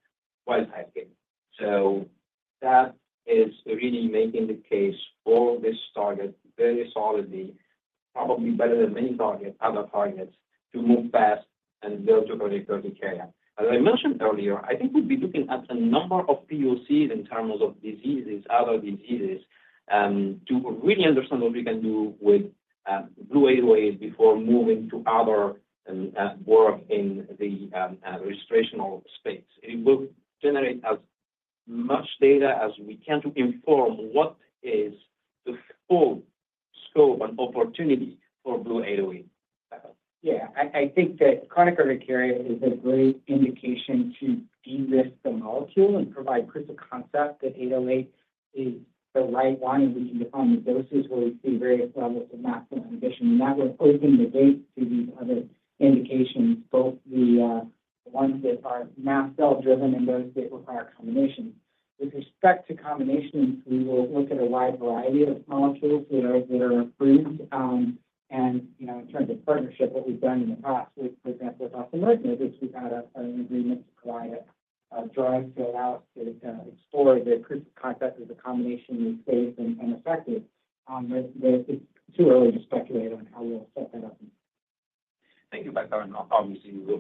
wild-type KIT. So that is really making the case for this target very solidly, probably better than many targets, other targets, to move fast and build to chronic urticaria. As I mentioned earlier, I think we'll be looking at a number of POCs in terms of diseases, other diseases, to really understand what we can do with BLU-808 before moving to other work in the registrational space. It will generate as much data as we can to inform what is the full scope and opportunity for BLU-808. Yeah, I think that chronic urticaria is a great indication to de-risk the molecule and provide proof of concept that 808 is the right one, and we can define the doses where we see various levels of maximum inhibition. And that will open the gate to these other indications, both the ones that are mast cell-driven and those that require combination. With respect to combinations, we will look at a wide variety of molecules that are approved. And, you know, in terms of partnership, what we've done in the past with, for example, with AstraZeneca, is we've had an agreement to provide a drug throughout to explore the proof of concept as a combination is safe and effective. But it's too early to speculate on how we'll set that up. Thank you, Becker. Obviously, we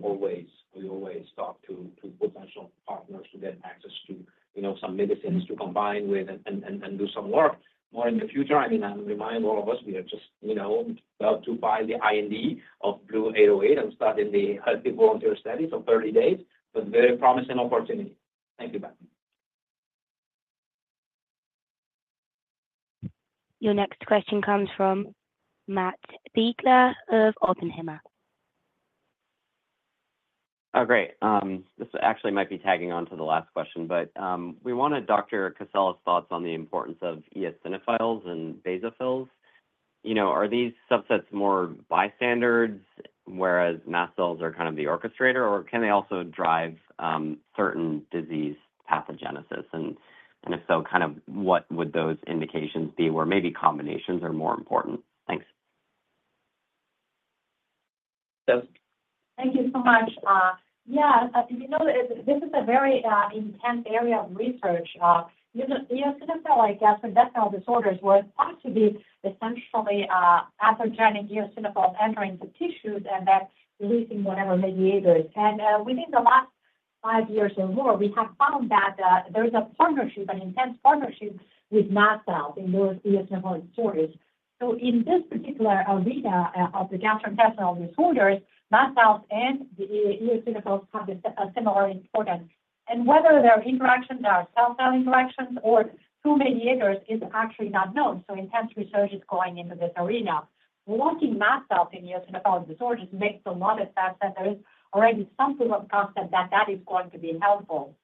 always talk to potential partners to get access to, you know, some medicines to combine with and do some work more in the future. I mean, I remind all of us, we are just, you know, about to file the IND of BLU-808 and start in the healthy volunteer study, so 30 days, but very promising opportunity. Thank you, Becker. Your next question comes from Matt Biegler of Oppenheimer. Oh, great. This actually might be tagging on to the last question, but we wanted Dr. Casale's thoughts on the importance of eosinophils and basophils. You know, are these subsets more bystanders, whereas mast cells are kind of the orchestrator, or can they also drive certain disease pathogenesis? And if so, kind of what would those indications be where maybe combinations are more important? Thanks. So. Thank you so much. Yeah, you know, this is a very intense area of research. Eosinophilic, like eosinophilic disorders, were thought to be essentially, pathogenic eosinophils entering the tissues and then releasing whatever mediators. Within the last five years or more, we have found that there is a partnership, an intense partnership with mast cells in those eosinophilic disorders. So in this particular arena of the gastrointestinal disorders, mast cells and the eosinophilic cells have a similar importance. And whether their interactions are cell-cell interactions or through mediators is actually not known, so intense research is going into this arena. Working mast cells in eosinophilic disorders makes a lot of sense, and there is already some proof of concept that that is going to be helpful.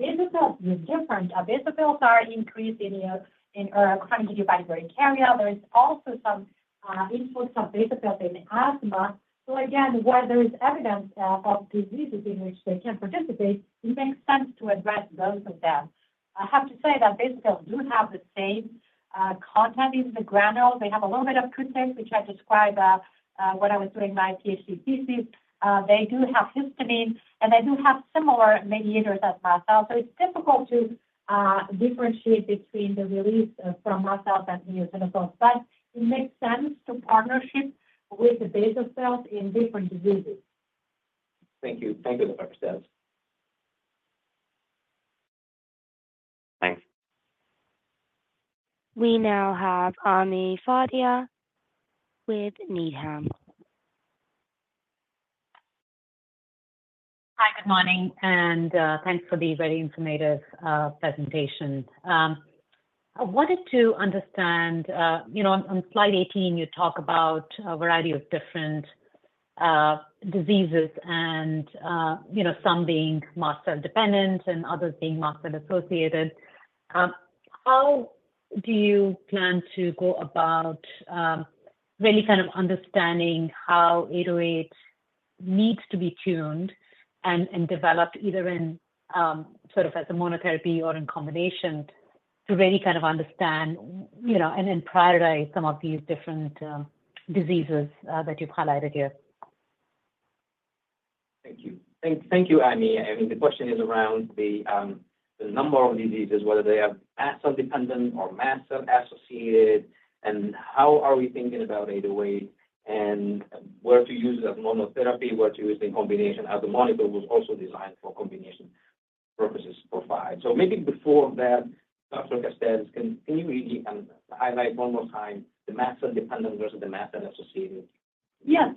Basophil is different. Basophils are increased in chronic idiopathic urticaria. There is also some influence of basophil in asthma. So again, where there is evidence of diseases in which they can participate, it makes sense to address both of them. I have to say that basophil do have the same content in the granules. They have a little bit of chymase, which I described when I was doing my PhD thesis. They do have histamine, and they do have similar mediators as mast cell. So it's difficult to differentiate between the release from mast cells and eosinophil. But it makes sense to partnership with the basophil cells in different diseases. Thank you. Thank you, Dr. Castells. Thanks. We now have Ami Fadia with Needham. Hi, good morning, and thanks for the very informative presentation. I wanted to understand, you know, on, on slide 18, you talk about a variety of different diseases and, you know, some being mast cell-dependent and others being mast cell-associated. How do you plan to go about really kind of understanding how 808 needs to be tuned and, and developed either in sort of as a monotherapy or in combination, to really kind of understand, you know, and then prioritize some of these different diseases that you've highlighted here? Thank you. Thank you, Ami. I think the question is around the number of diseases, whether they are mast cell-dependent or mast cell-associated, and how are we thinking about BLU-808, and where to use it as monotherapy, where to use in combination, as the molecule was also designed for combination purposes profile. So maybe before that, Dr. Castells, can you really highlight one more time the mast cell-dependent versus the mast cell-associated? Yes.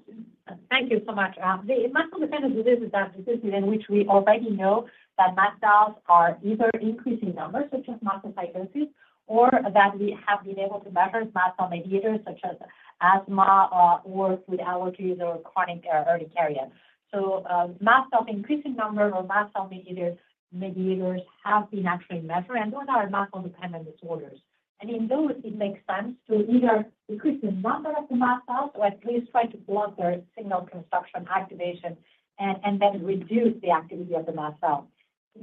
Thank you so much. The mast cell-dependent diseases are diseases in which we already know that mast cells are either increased in number, such as mastocytosis, or that we have been able to measure mast cell mediators, such as asthma, or food allergies or chronic urticaria. So, mast cell increasing number or mast cell mediators, mediators have been actually measured, and those are mast cell-dependent disorders. And in those, it makes sense to either decrease the number of the mast cell or at least try to block their signal transduction, activation, and then reduce the activity of the mast cell.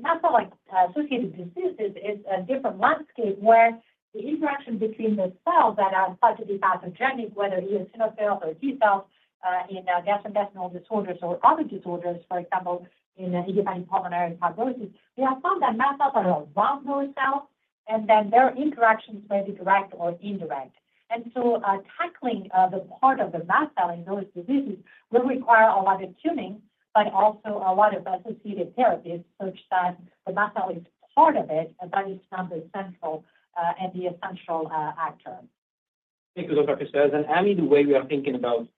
Mast cell-associated diseases is a different landscape, where the interaction between the cells that are thought to be pathogenic, whether eosinophil or T cells, in gastrointestinal disorders or other disorders, for example, in idiopathic pulmonary fibrosis, we have found that mast cells are around those cells, and then their interactions may be direct or indirect. So, tackling the part of the mast cell in those diseases will require a lot of tuning, but also a lot of associated therapies such that the mast cell is part of it, but it's not the central and the essential actor. Thank you, Dr. Castells. And, Ami, the way we are thinking about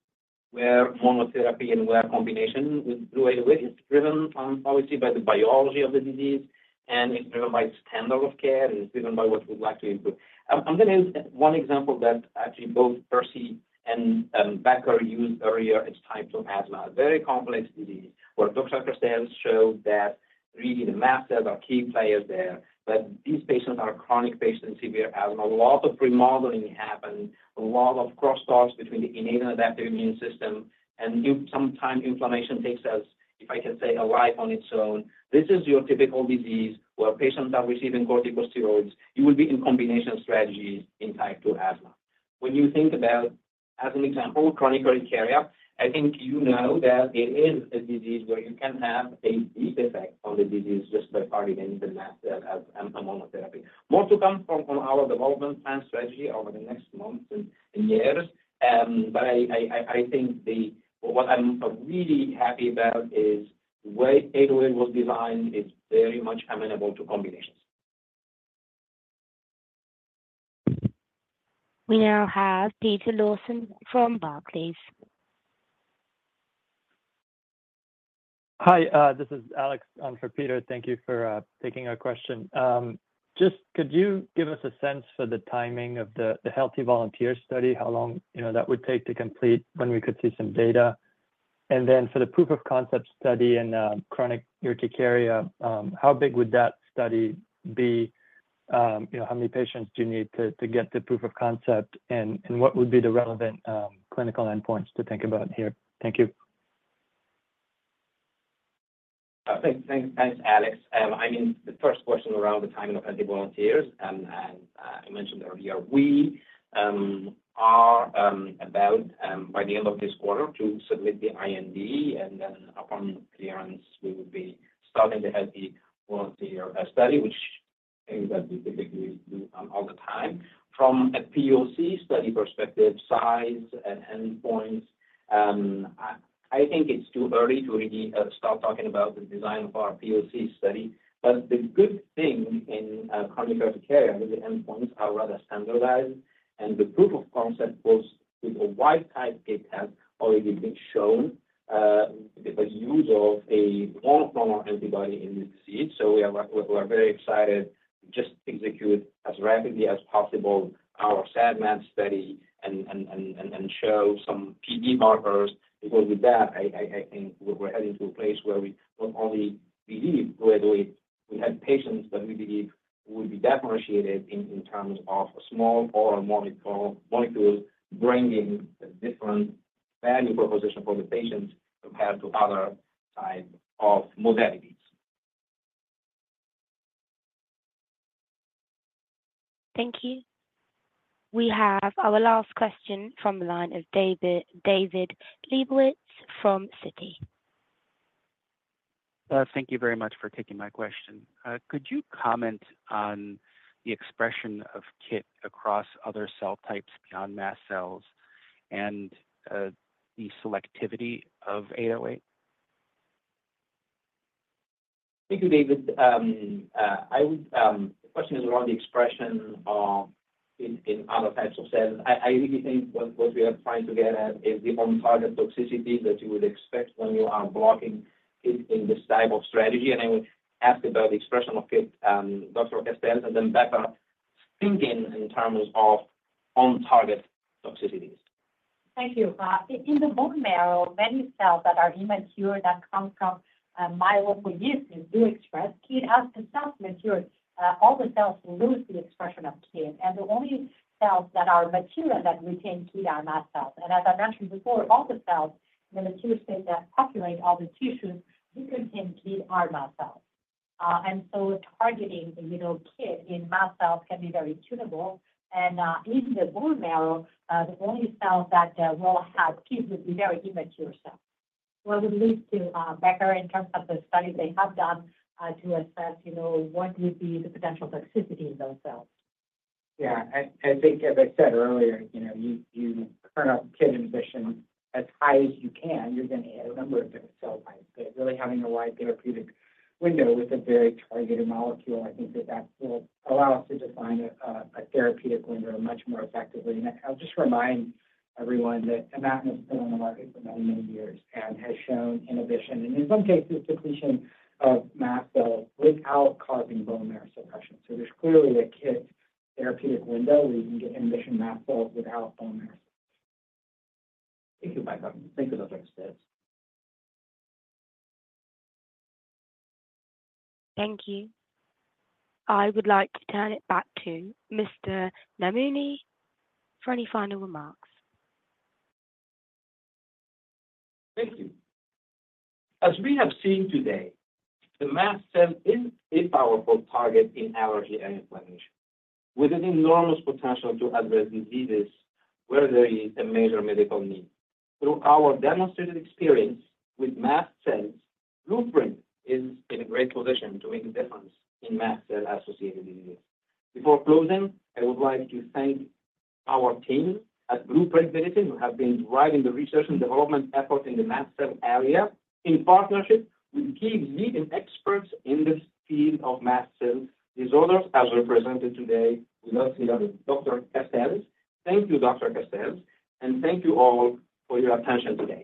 where monotherapy and where combination with eight-oh-eight is driven, obviously, by the biology of the disease, and it's driven by standard of care, and it's driven by what we'd like to include. I'm gonna use one example that actually both Percy and, Becker used earlier, is type two asthma, a very complex disease, where Dr. Castells showed that really the mast cells are key players there. But these patients are chronic patients, severe asthma. A lot of remodeling happens, a lot of cross talks between the innate and adaptive immune system, and sometimes inflammation takes as, if I can say, a life on its own. This is your typical disease where patients are receiving corticosteroids. It will be in combination strategies in type two asthma. When you think about, as an example, chronic urticaria, I think you know that it is a disease where you can have a deep effect on the disease just by targeting the mast cell as a monotherapy. More to come from our development plan strategy over the next months and years. But I think what I'm really happy about is the way eight-oh-eight was designed is very much amenable to combinations. We now have Peter Lawson from Barclays. Hi, this is Alex for Peter. Thank you for taking our question. Just could you give us a sense for the timing of the healthy volunteer study, how long, you know, that would take to complete, when we could see some data? And then for the proof of concept study in chronic urticaria, how big would that study be? You know, how many patients do you need to get the proof of concept, and what would be the relevant clinical endpoints to think about here? Thank you. Thanks, Alex. I mean, the first question around the timing of healthy volunteers, and I mentioned earlier, we are about by the end of this quarter to submit the IND, and then upon clearance, we will be starting the healthy volunteer study, which things that we typically do all the time. From a POC study perspective, size and endpoints, I think it's too early to really start talking about the design of our POC study. But the good thing in chronic urticaria, I mean, the endpoints are rather standardized, and the proof of concept was with a wild-type data has already been shown, the use of a monoclonal antibody in the seed. So we are very excited to just execute as rapidly as possible our SAD/MAD study and show some PD markers, because with that, I think we're heading to a place where we not only believe, we have patients that we believe will be differentiated in terms of a small molecule, bringing a different value proposition for the patient compared to other types of modalities. Thank you. We have our last question from the line of David, David Lebowitz from Citi. Thank you very much for taking my question. Could you comment on the expression of KIT across other cell types beyond mast cells and the selectivity of 808? Thank you, David. I would—the question is around the expression in other types of cells. I really think what we are trying to get at is the on-target toxicity that you would expect when you are blocking it in this type of strategy. And I would ask about the expression of KIT, Dr. Castells, and then Becca, thinking in terms of on-target toxicities. Thank you. In the bone marrow, many cells that are immature, that come from myelopoiesis do express KIT. As the cells mature, all the cells lose the expression of KIT, and the only cells that are mature that retain KIT are mast cells. And as I mentioned before, all the cells in the mature state that populate all the tissues who contain KIT are mast cells. And so targeting the wild-type KIT in mast cells can be very tunable. And in the bone marrow, the only cells that will have KIT would be very immature cells. Well, it leads to Becker, in terms of the studies they have done to assess, you know, what would be the potential toxicity in those cells. Yeah. I think, as I said earlier, you know, you turn up KIT inhibition as high as you can, you're going to hit a number of different cell types. But really having a wide therapeutic window with a very targeted molecule, I think that that will allow us to define a therapeutic window much more effectively. And I'll just remind everyone that Gleevec has been on the market for many, many years and has shown inhibition, and in some cases, depletion of mast cells without causing bone marrow suppression. So there's clearly a KIT therapeutic window where you can get inhibition mast cells without bone marrow. Thank you, Becker. Thank you, Dr. Castells. Thank you. I would like to turn it back to Mr. Namouni for any final remarks. Thank you. As we have seen today, the mast cell is a powerful target in allergy and inflammation, with an enormous potential to address diseases where there is a major medical need. Through our demonstrated experience with mast cells, Blueprint is in a great position to make a difference in mast cell-associated diseases. Before closing, I would like to thank our team at Blueprint Medicines, who have been driving the research and development effort in the mast cell area, in partnership with key leading experts in this field of mast cell disorders, as represented today, with us, Dr. Castells. Thank you, Dr. Castells, and thank you all for your attention today.